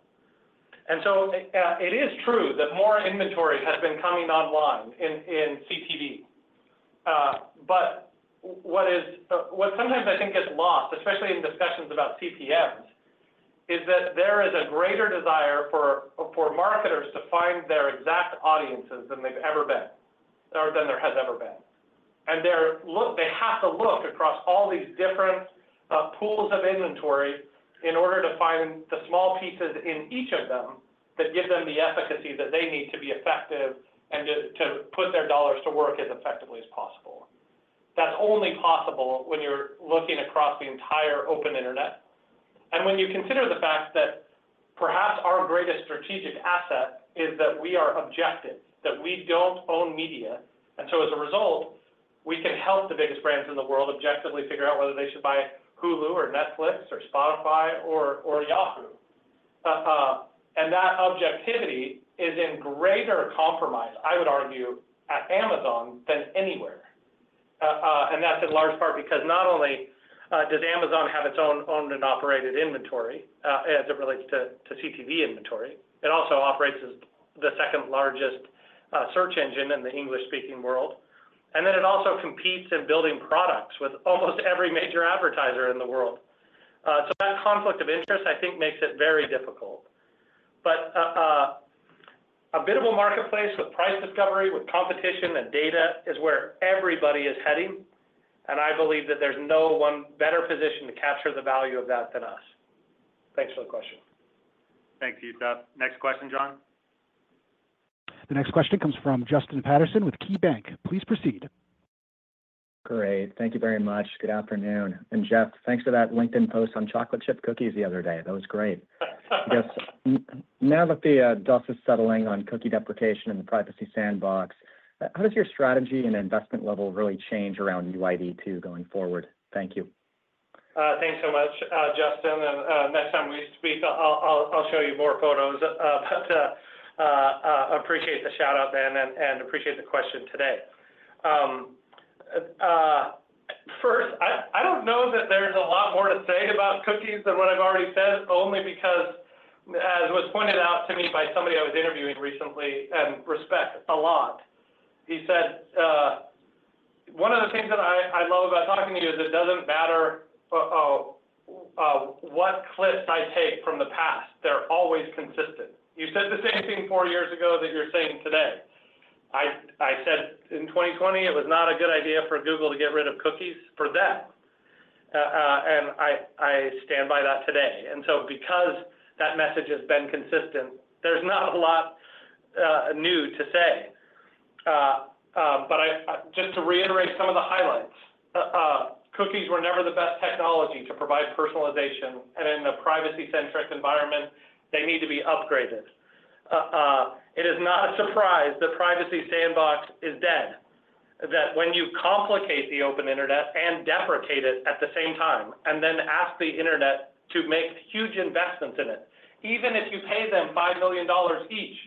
S3: And so, it is true that more inventory has been coming online in CTV. But what sometimes I think gets lost, especially in discussions about CPMs, is that there is a greater desire for marketers to find their exact audiences than they've ever been, or than there has ever been. And they have to look across all these different pools of inventory in order to find the small pieces in each of them that give them the efficacy that they need to be effective and to put their dollars to work as effectively as possible. That's only possible when you're looking across the entire open internet. And when you consider the fact that perhaps our greatest strategic asset is that we are objective, that we don't own media, and so as a result, we can help the biggest brands in the world objectively figure out whether they should buy Hulu or Netflix or Spotify or Yahoo! And that objectivity is in greater compromise, I would argue, at Amazon than anywhere. And that's in large part because not only does Amazon have its own owned and operated inventory, as it relates to CTV inventory, it also operates as the second-largest search engine in the English-speaking world. And then it also competes in building products with almost every major advertiser in the world. So that conflict of interest, I think, makes it very difficult. But, a biddable marketplace with price discovery, with competition and data is where everybody is heading, and I believe that there's no one better positioned to capture the value of that than us. Thanks for the question.
S2: Thank you, Jeff. Next question, John.
S1: The next question comes from Justin Patterson with KeyBanc. Please proceed.
S7: Great. Thank you very much. Good afternoon, and Jeff, thanks for that LinkedIn post on chocolate chip cookies the other day. That was great. Yes. Now that the dust is settling on cookie deprecation and the Privacy Sandbox, how does your strategy and investment level really change around UID2 going forward? Thank you.
S3: Thanks so much, Justin, and next time we speak, I'll show you more photos, but appreciate the shout-out and appreciate the question today. First, I don't know that there's a lot more to say about cookies than what I've already said, only because, as was pointed out to me by somebody I was interviewing recently and respect a lot. He said, "One of the things that I love about talking to you is it doesn't matter what clips I take from the past, they're always consistent. You said the same thing four years ago that you're saying today." I said in 2020, it was not a good idea for Google to get rid of cookies for them, and I stand by that today. And so because that message has been consistent, there's not a lot new to say. But just to reiterate some of the highlights, cookies were never the best technology to provide personalization, and in a privacy-centric environment, they need to be upgraded. It is not a surprise that Privacy Sandbox is dead, that when you complicate the open internet and deprecate it at the same time, and then ask the internet to make huge investments in it, even if you pay them $5 million each,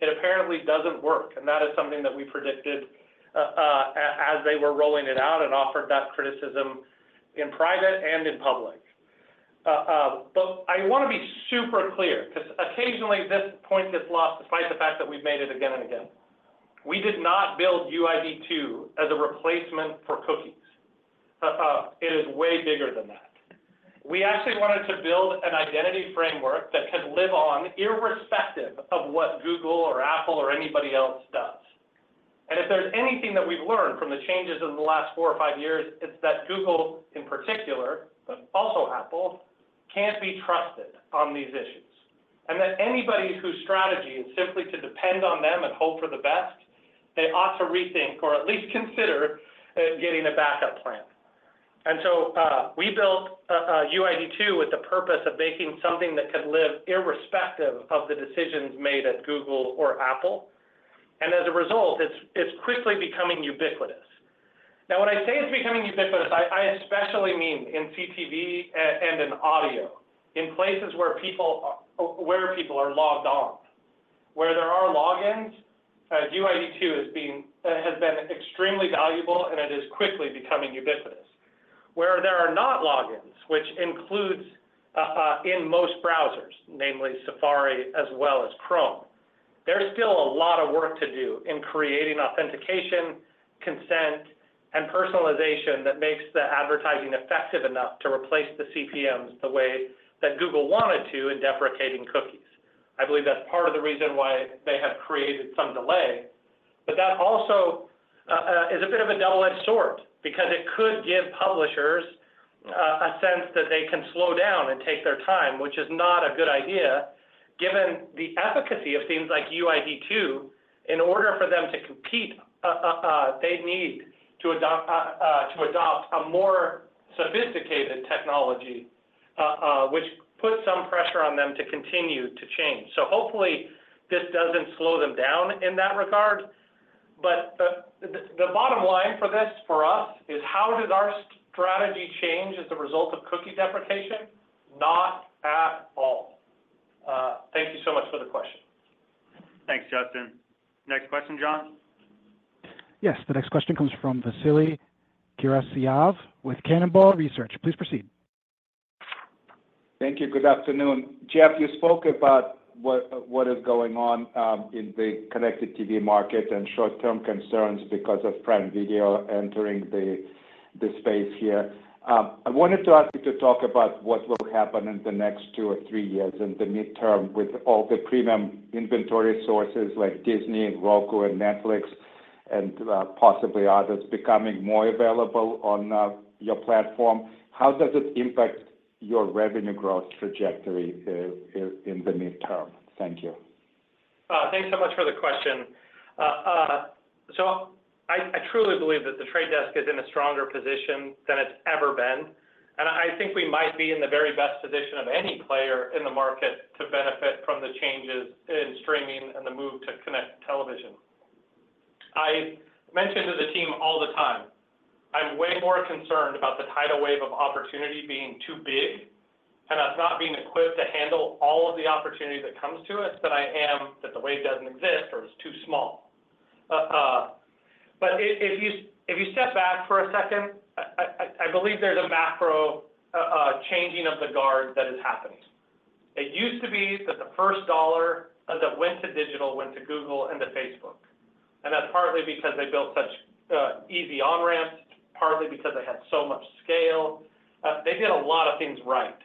S3: it apparently doesn't work. And that is something that we predicted, as they were rolling it out and offered that criticism in private and in public. But I wanna be super clear, 'cause occasionally this point gets lost, despite the fact that we've made it again and again. We did not build UID2 as a replacement for cookies. It is way bigger than that. We actually wanted to build an identity framework that could live on, irrespective of what Google or Apple or anybody else does. And if there's anything that we've learned from the changes in the last four or five years, it's that Google, in particular, but also Apple, can't be trusted on these issues, and that anybody whose strategy is simply to depend on them and hope for the best, they ought to rethink or at least consider getting a backup plan. And so, we built UID2 with the purpose of making something that could live irrespective of the decisions made at Google or Apple, and as a result, it's quickly becoming ubiquitous. Now, when I say it's becoming ubiquitous, I, I especially mean in CTV and in audio, in places where people are logged on. Where there are logins, UID 2 has been extremely valuable, and it is quickly becoming ubiquitous. Where there are not logins, which includes in most browsers, namely Safari as well as Chrome, there's still a lot of work to do in creating authentication, consent, and personalization that makes the advertising effective enough to replace the CPMs the way that Google wanted to in deprecating cookies. I believe that's part of the reason why they have created some delay, but that also is a bit of a double-edged sword because it could give publishers a sense that they can slow down and take their time, which is not a good idea, given the efficacy of things like UID2. In order for them to compete, they need to adopt to adopt a more sophisticated technology, which puts some pressure on them to continue to change. So hopefully, this doesn't slow them down in that regard. But the bottom line for this, for us, is how does our strategy change as a result of cookie deprecation? Not at all. Thank you so much for the question.
S2: Thanks, Justin. Next question, John?
S1: Yes, the next question comes from Vasily Karasyov with Cannonball Research. Please proceed.
S8: Thank you. Good afternoon. Jeff, you spoke about what, what is going on in the connected TV market and short-term concerns because of Prime Video entering the, the space here. I wanted to ask you to talk about what will happen in the next two or three years in the midterm with all the premium inventory sources like Disney and Roku and Netflix and, possibly others becoming more available on, your platform. How does it impact your revenue growth trajectory, in, in the midterm? Thank you.
S3: Thanks so much for the question. So I truly believe that The Trade Desk is in a stronger position than it's ever been, and I think we might be in the very best position of any player in the market to benefit from the changes in streaming and the move to connected television. I mention to the team all the time, I'm way more concerned about the tidal wave of opportunity being too big, and us not being equipped to handle all of the opportunity that comes to us, than I am that the wave doesn't exist or is too small. But if you step back for a second, I believe there's a macro changing of the guard that is happening. It used to be that the first dollar that went to digital went to Google and to Facebook, and that's partly because they built such easy on-ramps, partly because they had so much scale. They did a lot of things right.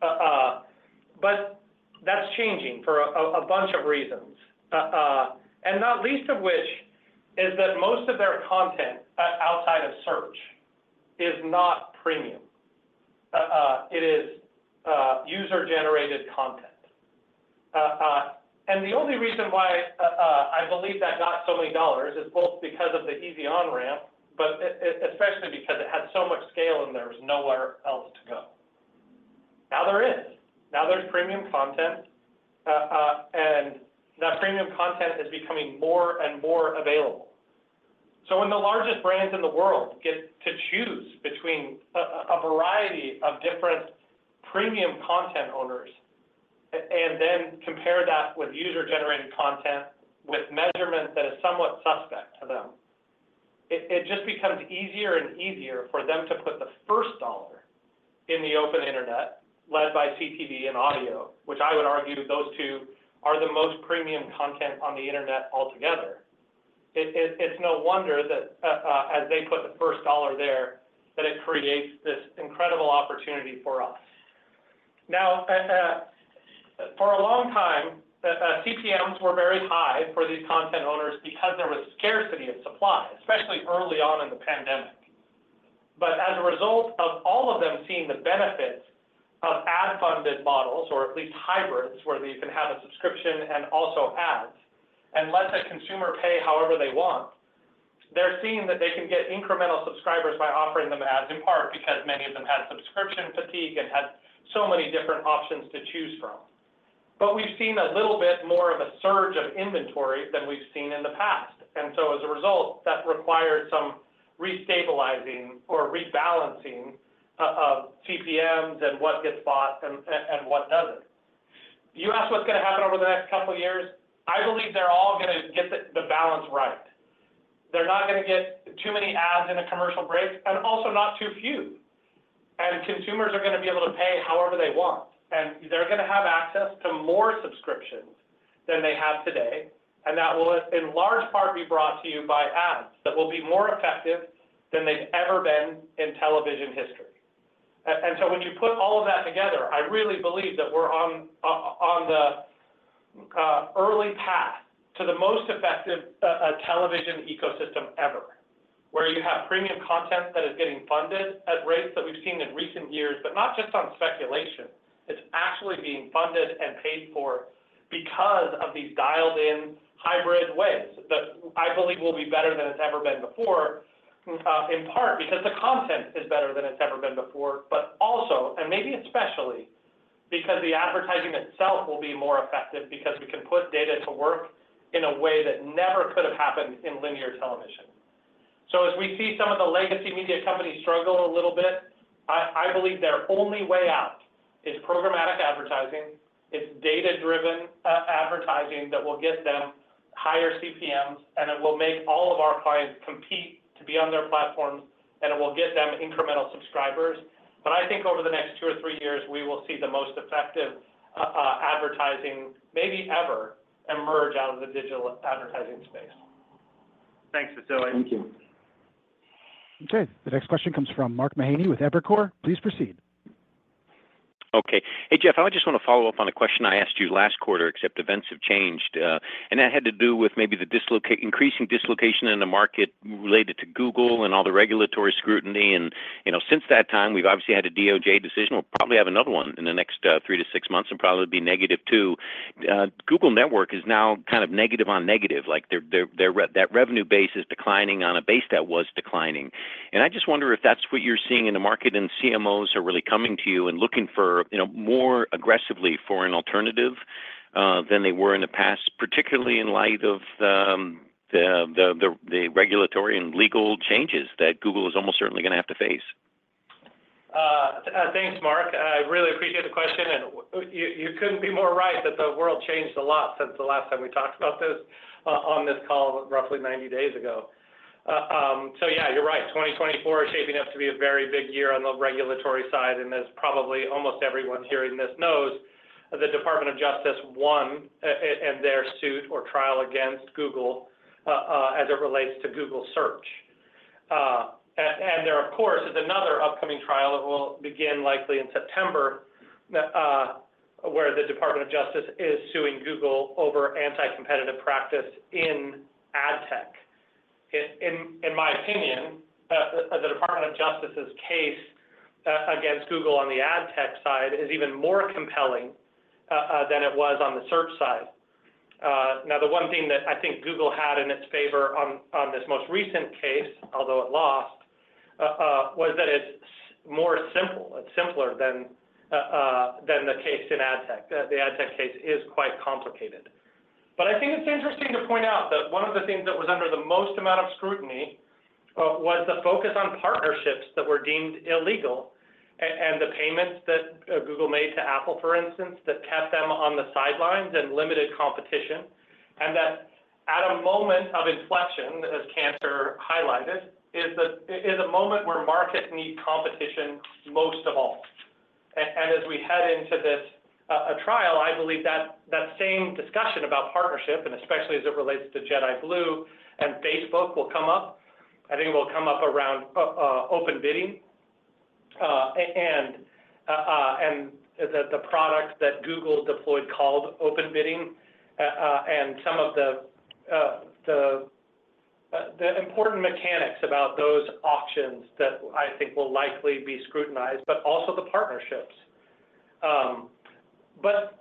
S3: But that's changing for a bunch of reasons, and not least of which is that most of their content, outside of search, is not premium. It is user-generated content. And the only reason why I believe that got so many dollars is both because of the easy on-ramp, but especially because it had so much scale, and there was nowhere else to go. Now, there is. Now, there's premium content, and that premium content is becoming more and more available. So when the largest brands in the world get to choose between a variety of different premium content owners, and then compare that with user-generated content, with measurement that is somewhat suspect to them, it just becomes easier and easier for them to put the first dollar in the open internet, led by CTV and audio, which I would argue those two are the most premium content on the internet altogether. It's no wonder that, as they put the first dollar there, that it creates this incredible opportunity for us. Now, for a long time, CPMs were very high for these content owners because there was scarcity of supply, especially early on in the pandemic. But as a result of all of them seeing the benefits of ad-funded models, or at least hybrids, where you can have a subscription and also ads, and let the consumer pay however they want, they're seeing that they can get incremental subscribers by offering them ads, in part, because many of them had subscription fatigue and had so many different options to choose from. But we've seen a little bit more of a surge of inventory than we've seen in the past, and so as a result, that required some restabilizing or rebalancing of CPMs and what gets bought and what doesn't. You ask what's going to happen over the next couple of years, I believe they're all gonna get the balance right. They're not gonna get too many ads in a commercial break, and also not too few. And consumers are gonna be able to pay however they want, and they're gonna have access to more subscriptions than they have today, and that will, in large part, be brought to you by ads that will be more effective than they've ever been in television history. And so when you put all of that together, I really believe that we're on the early path to the most effective television ecosystem ever, where you have premium content that is getting funded at rates that we've seen in recent years, but not just on speculation. It's actually being funded and paid for because of these dialed-in hybrid ways that I believe will be better than it's ever been before, in part because the content is better than it's ever been before, but also, and maybe especially, because the advertising itself will be more effective because we can put data to work in a way that never could have happened in linear television. So as we see some of the legacy media companies struggle a little bit, I believe their only way out is programmatic advertising, it's data-driven advertising that will get them higher CPMs, and it will make all of our clients compete to be on their platforms, and it will get them incremental subscribers. But I think over the next two or three years, we will see the most effective advertising, maybe ever, emerge out of the digital advertising space. Thanks, Vasily.
S8: Thank you.
S1: Okay. The next question comes from Mark Mahaney with Evercore. Please proceed.
S9: Okay. Hey, Jeff, I just want to follow up on a question I asked you last quarter, except events have changed, and that had to do with maybe the increasing dislocation in the market related to Google and all the regulatory scrutiny. You know, since that time, we've obviously had a DOJ decision. We'll probably have another one in the next three to six months and probably be negative, too. Google Network is now kind of negative on negative. Like, their revenue base is declining on a base that was declining. I just wonder if that's what you're seeing in the market, and CMOs are really coming to you and looking for, you know, more aggressively for an alternative than they were in the past, particularly in light of the regulatory and legal changes that Google is almost certainly gonna have to face?
S3: Thanks, Mark. I really appreciate the question, and you couldn't be more right that the world changed a lot since the last time we talked about this on this call, roughly 90 days ago. So yeah, you're right. 2024 is shaping up to be a very big year on the regulatory side, and as probably almost everyone hearing this knows, the Department of Justice won in their suit or trial against Google as it relates to Google Search. And there, of course, is another upcoming trial that will begin likely in September where the Department of Justice is suing Google over anti-competitive practice in ad tech. In my opinion, the Department of Justice's case against Google on the ad tech side is even more compelling than it was on the search side. Now, the one thing that I think Google had in its favor on this most recent case, although it lost, was that it's more simple. It's simpler than the case in ad tech. The ad tech case is quite complicated. But I think it's interesting to point out that one of the things that was under the most amount of scrutiny was the focus on partnerships that were deemed illegal and the payments that Google made to Apple, for instance, that kept them on the sidelines and limited competition. And that at a moment of inflection, as Cannes highlighted, is a moment where market need competition most of all. And as we head into this trial, I believe that that same discussion about partnership, and especially as it relates to Jedi Blue and Facebook, will come up. I think it will come up around open bidding, and the product that Google deployed called Open Bidding, and some of the important mechanics about those auctions that I think will likely be scrutinized, but also the partnerships. But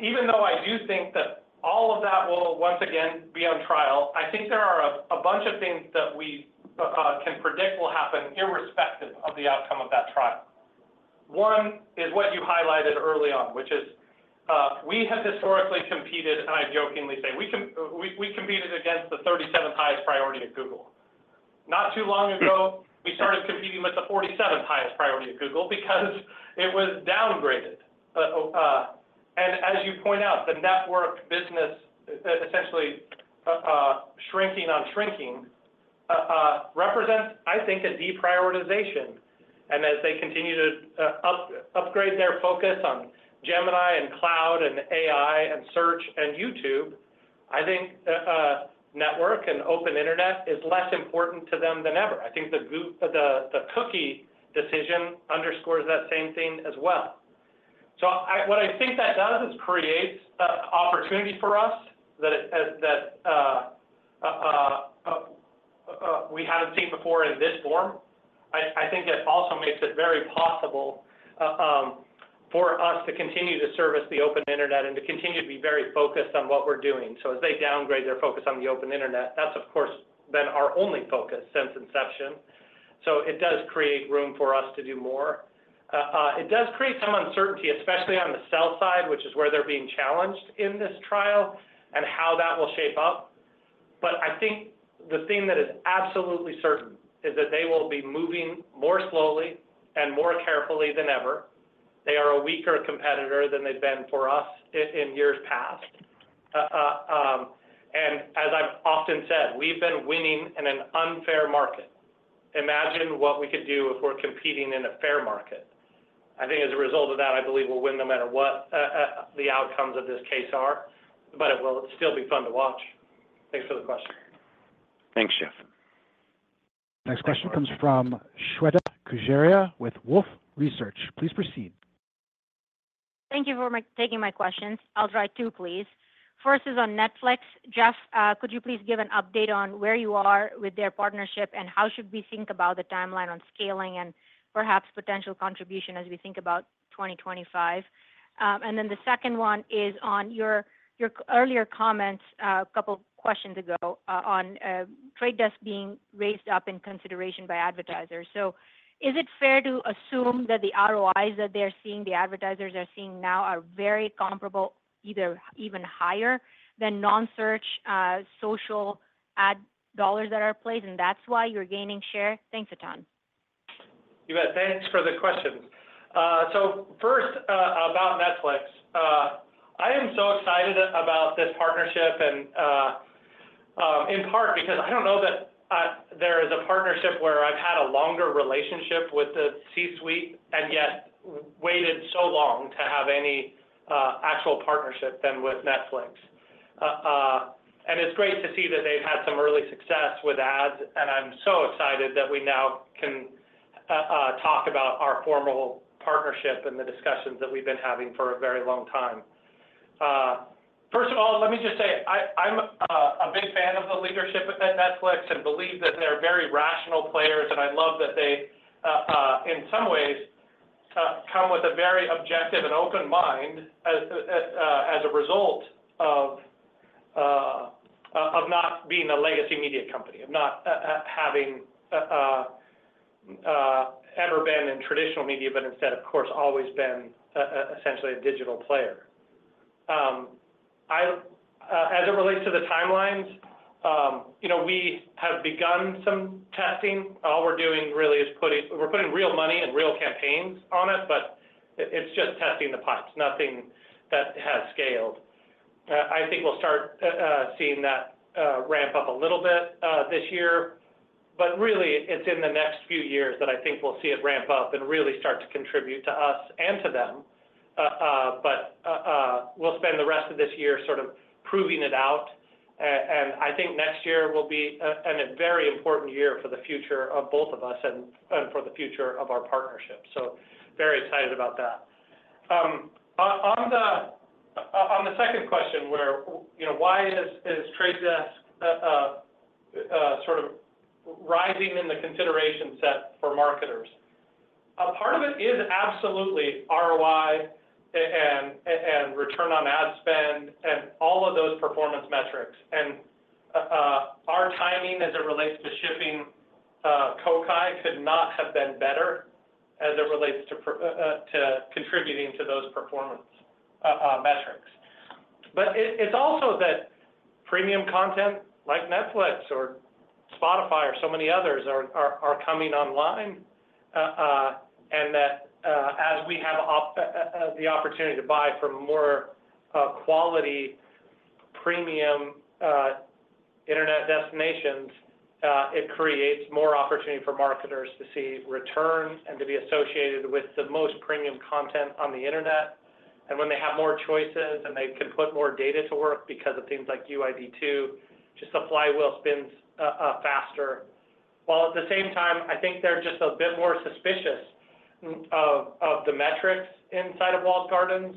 S3: even though I do think that all of that will once again be on trial, I think there are a bunch of things that we can predict will happen irrespective of the outcome of that trial. One is what you highlighted early on, which is, we have historically competed, and I jokingly say, we competed against the 37th highest priority at Google. Not too long ago, we started competing with the 47th highest priority at Google because it was downgraded. And as you point out, the network business, essentially, shrinking on shrinking, represents, I think, a deprioritization. And as they continue to upgrade their focus on Gemini, and Cloud, and AI, and Search, and YouTube, I think the network and open internet is less important to them than ever. I think the cookie decision underscores that same thing as well. So what I think that does is creates opportunity for us that we haven't seen before in this form. I think it also makes it very possible for us to continue to service the open internet and to continue to be very focused on what we're doing. So as they downgrade their focus on the open internet, that's, of course, been our only focus since inception. So it does create room for us to do more. It does create some uncertainty, especially on the sell side, which is where they're being challenged in this trial and how that will shape up. But I think the thing that is absolutely certain is that they will be moving more slowly and more carefully than ever. They are a weaker competitor than they've been for us in years past. And as I've often said, we've been winning in an unfair market. Imagine what we could do if we're competing in a fair market. I think as a result of that, I believe we'll win no matter what the outcomes of this case are, but it will still be fun to watch. Thanks for the question.
S1: Thanks, Jeff. Next question comes from Shweta Khajuria with Wolfe Research. Please proceed.
S10: Thank you for taking my questions. I'll try two, please. First is on Netflix. Jeff, could you please give an update on where you are with their partnership, and how should we think about the timeline on scaling and perhaps potential contribution as we think about 2025? And then the second one is on your earlier comments a couple of questions ago on Trade Desk being raised up in consideration by advertisers. So is it fair to assume that the ROIs that they're seeing, the advertisers are seeing now, are very comparable, either even higher than non-search social ad dollars that are placed, and that's why you're gaining share? Thanks a ton.
S3: You bet. Thanks for the questions. So first, about Netflix. I am so excited about this partnership, and, in part because I don't know that there is a partnership where I've had a longer relationship with the C-suite and yet waited so long to have any actual partnership than with Netflix. And it's great to see that they've had some early success with ads, and I'm so excited that we now can talk about our formal partnership and the discussions that we've been having for a very long time. First of all, let me just say, I'm a big fan of the leadership at Netflix and believe that they're very rational players, and I love that they in some ways come with a very objective and open mind as a result of not being a legacy media company. Of not having ever been in traditional media, but instead, of course, always been essentially a digital player. Into the timelines, you know, we have begun some testing. All we're doing really is putting we're putting real money and real campaigns on it, but it's just testing the pipes, nothing that has scaled. I think we'll start seeing that ramp up a little bit this year, but really, it's in the next few years that I think we'll see it ramp up and really start to contribute to us and to them. But we'll spend the rest of this year sort of proving it out. And I think next year will be a very important year for the future of both of us and for the future of our partnership, so very excited about that. On the second question, where you know, why is The Trade Desk sort of rising in the consideration set for marketers? A part of it is absolutely ROI and return on ad spend, and all of those performance metrics. Our timing as it relates to shipping Kokai could not have been better as it relates to contributing to those performance metrics. But it's also that premium content like Netflix or Spotify or so many others are coming online. And that, as we have the opportunity to buy from more quality, premium internet destinations, it creates more opportunity for marketers to see returns and to be associated with the most premium content on the internet. And when they have more choices, and they can put more data to work because of things like UID2, just the flywheel spins faster. While at the same time, I think they're just a bit more suspicious of the metrics inside of walled gardens,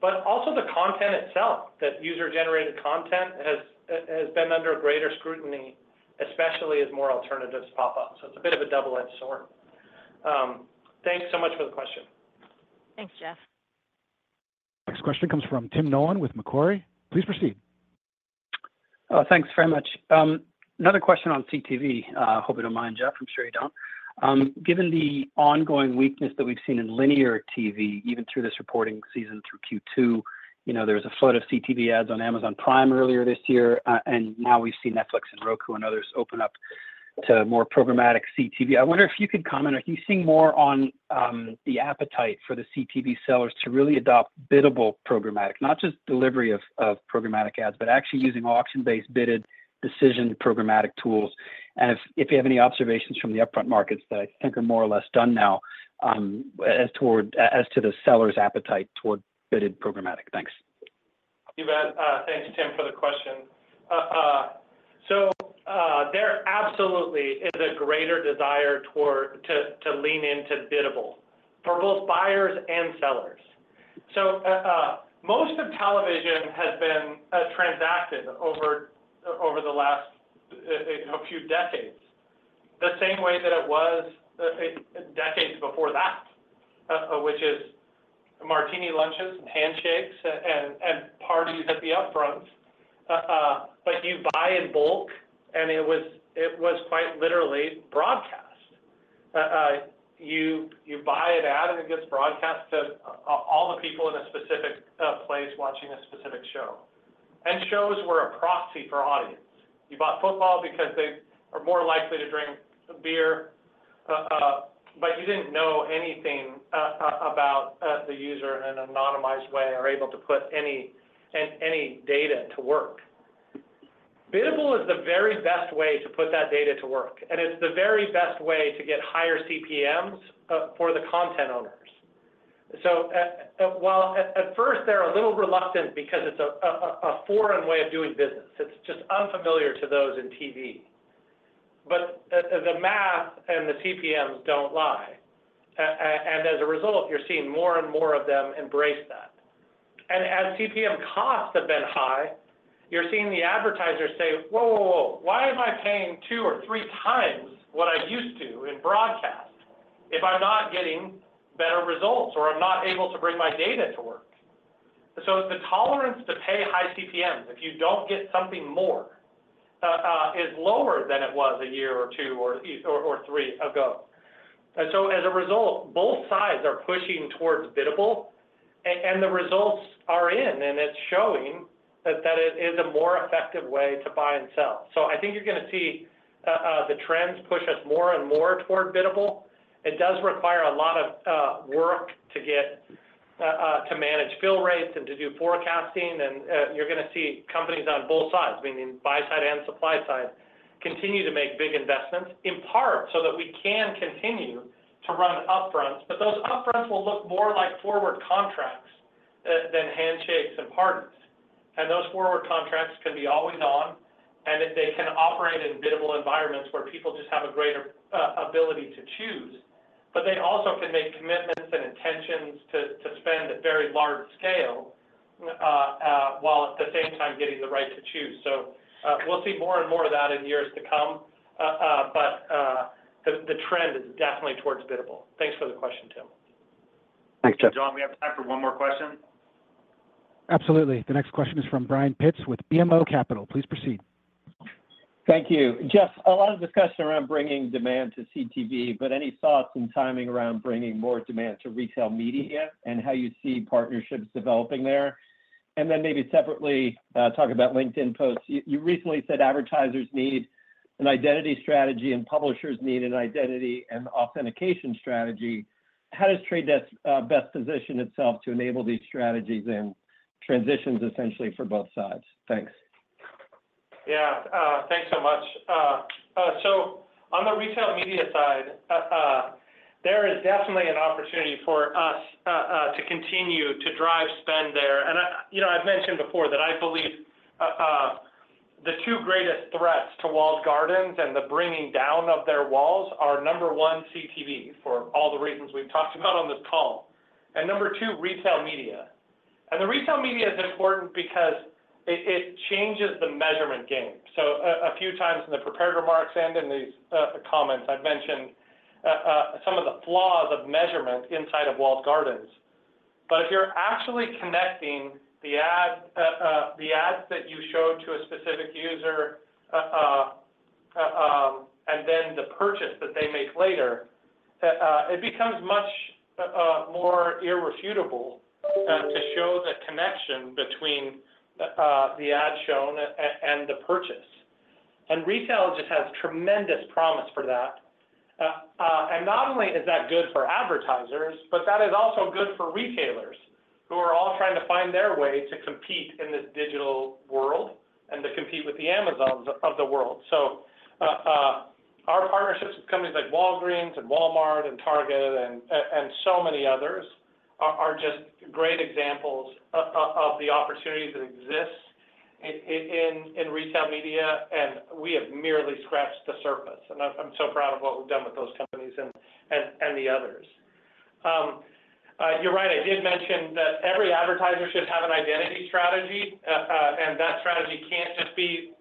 S3: but also the content itself, that user-generated content has been under greater scrutiny, especially as more alternatives pop up. So it's a bit of a double-edged sword. Thanks so much for the question.
S1: Thanks, Jeff. Next question comes from Tim Nollen with Macquarie. Please proceed.
S11: Thanks very much. Another question on CTV. Hope you don't mind, Jeff. I'm sure you don't. Given the ongoing weakness that we've seen in linear TV, even through this reporting season through Q2, you know, there was a flood of CTV ads on Amazon Prime earlier this year, and now we've seen Netflix and Roku and others open up to more programmatic CTV. I wonder if you could comment, are you seeing more on the appetite for the CTV sellers to really adopt biddable programmatic? Not just delivery of programmatic ads, but actually using auction-based bidded decision programmatic tools, and if you have any observations from the upfront markets that I think are more or less done now, as to the seller's appetite toward bidded programmatic. Thanks.
S3: You bet. Thanks, Tim, for the question. So, there absolutely is a greater desire toward to lean into biddable for both buyers and sellers. So, most of television has been transacted over the last a few decades the same way that it was decades before that. Which is martini lunches, and handshakes, and parties at the Upfronts. But you buy in bulk, and it was quite literally broadcast. You buy an ad, and it gets broadcast to all the people in a specific place watching a specific show. And shows were a proxy for audience. You bought football because they are more likely to drink beer, but you didn't know anything about the user in an anonymized way, or able to put any data to work. Biddable is the very best way to put that data to work, and it's the very best way to get higher CPMs for the content owners. So while at first they're a little reluctant because it's a foreign way of doing business, it's just unfamiliar to those in TV. But the math and the CPMs don't lie. And as a result, you're seeing more and more of them embrace that. And as CPM costs have been high, you're seeing the advertisers say, "Whoa, whoa, whoa! Why am I paying two or three times what I used to in broadcast if I'm not getting better results, or I'm not able to bring my data to work?" So the tolerance to pay high CPMs, if you don't get something more, is lower than it was a year or two or three ago. And so as a result, both sides are pushing towards biddable, and the results are in, and it's showing that, that it is a more effective way to buy and sell. So I think you're gonna see, the trends push us more and more toward biddable. It does require a lot of work to get to manage fill rates and to do forecasting, and you're gonna see companies on both sides, meaning buy side and supply side, continue to make big investments, in part, so that we can continue to run upfronts. But those upfronts will look more like forward contracts than handshakes and partners. And those forward contracts can be always on, and they can operate in biddable environments where people just have a greater ability to choose. But they also can make commitments and intentions to spend at very large scale while at the same time getting the right to choose. So, we'll see more and more of that in years to come. But the trend is definitely towards biddable. Thanks for the question, Tim.
S11: Thanks, Jeff.
S2: John, we have time for one more question?
S1: Absolutely. The next question is from Brian Pitz with BMO Capital. Please proceed.
S12: Thank you. Jeff, a lot of discussion around bringing demand to CTV, but any thoughts and timing around bringing more demand to retail media and how you see partnerships developing there? And then maybe separately, talking about LinkedIn posts, you, you recently said advertisers need an identity strategy and publishers need an identity and authentication strategy. How does Trade Desk best position itself to enable these strategies and transitions, essentially, for both sides? Thanks.
S3: Yeah. Thanks so much. So on the retail media side, there is definitely an opportunity for us to continue to drive spend there. And I, you know, I've mentioned before that I believe the two greatest threats to walled gardens and the bringing down of their walls are, number one, CTV, for all the reasons we've talked about on this call, and number two, retail media. And the retail media is important because it changes the measurement game. So a few times in the prepared remarks and in these comments, I've mentioned some of the flaws of measurement inside of walled gardens. But if you're actually connecting the ad, the ads that you show to a specific user, and then the purchase that they make later, it becomes much more irrefutable to show the connection between the ad shown and the purchase. And retail just has tremendous promise for that. And not only is that good for advertisers, but that is also good for retailers, who are all trying to find their way to compete in this digital world and to compete with the Amazons of the world. So, our partnerships with companies like Walgreens and Walmart and Target and so many others are just great examples of the opportunities that exist in retail media, and we have merely scratched the surface. And I'm so proud of what we've done with those companies and the others. You're right, I did mention that every advertiser should have an identity strategy, and that strategy can't just be,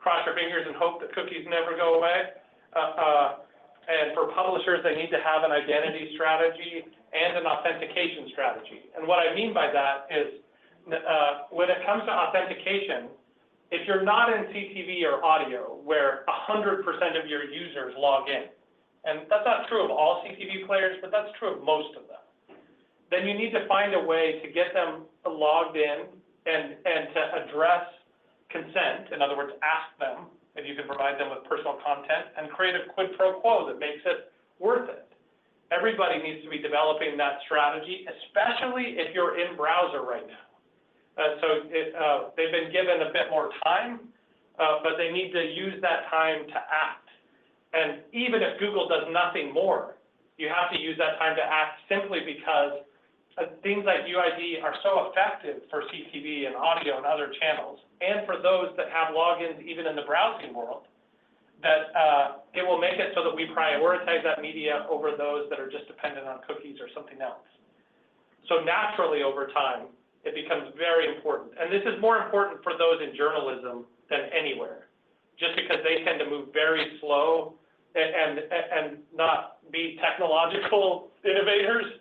S3: cross our fingers and hope that cookies never go away. And for publishers, they need to have an identity strategy and an authentication strategy. And what I mean by that is that, when it comes to authentication, if you're not in CTV or audio, where 100% of your users log in, and that's not true of all CTV players, but that's true of most of them, then you need to find a way to get them logged in and to address consent. In other words, ask them if you can provide them with personal content and create a quid pro quo that makes it worth it. Everybody needs to be developing that strategy, especially if you're in-browser right now. So it, they've been given a bit more time, but they need to use that time to act. And even if Google does nothing more, you have to use that time to act simply because, things like UID are so effective for CTV and audio and other channels, and for those that have logins, even in the browsing world, that, it will make it so that we prioritize that media over those that are just dependent on cookies or something else. So naturally, over time, it becomes very important. This is more important for those in journalism than anywhere, just because they tend to move very slow and not be technological innovators.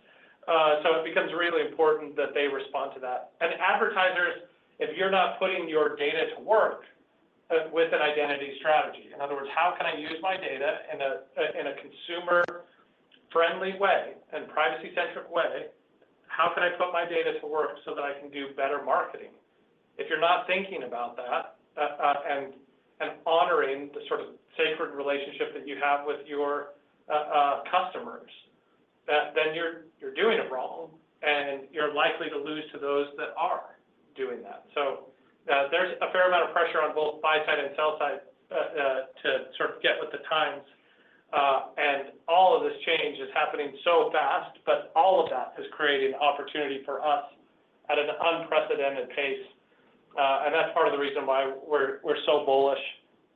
S3: So it becomes really important that they respond to that. And advertisers, if you're not putting your data to work with an identity strategy... In other words, how can I use my data in a consumer-friendly way and privacy-centric way? How can I put my data to work so that I can do better marketing? If you're not thinking about that and honoring the sort of sacred relationship that you have with your customers, then you're doing it wrong, and you're likely to lose to those that are doing that. So, there's a fair amount of pressure on both buy side and sell side, to sort of get with the times, and all of this change is happening so fast, but all of that is creating opportunity for us at an unprecedented pace. And that's part of the reason why we're so bullish.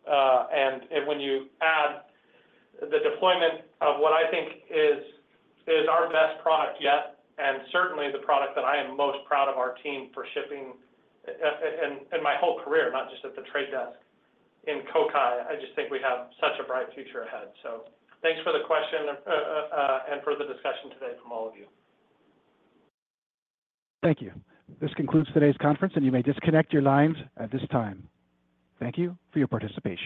S3: And when you add the deployment of what I think is our best product yet, and certainly the product that I am most proud of our team for shipping, in my whole career, not just at The Trade Desk, in Kokai, I just think we have such a bright future ahead. So thanks for the question, and for the discussion today from all of you.
S1: Thank you. This concludes today's conference, and you may disconnect your lines at this time. Thank you for your participation.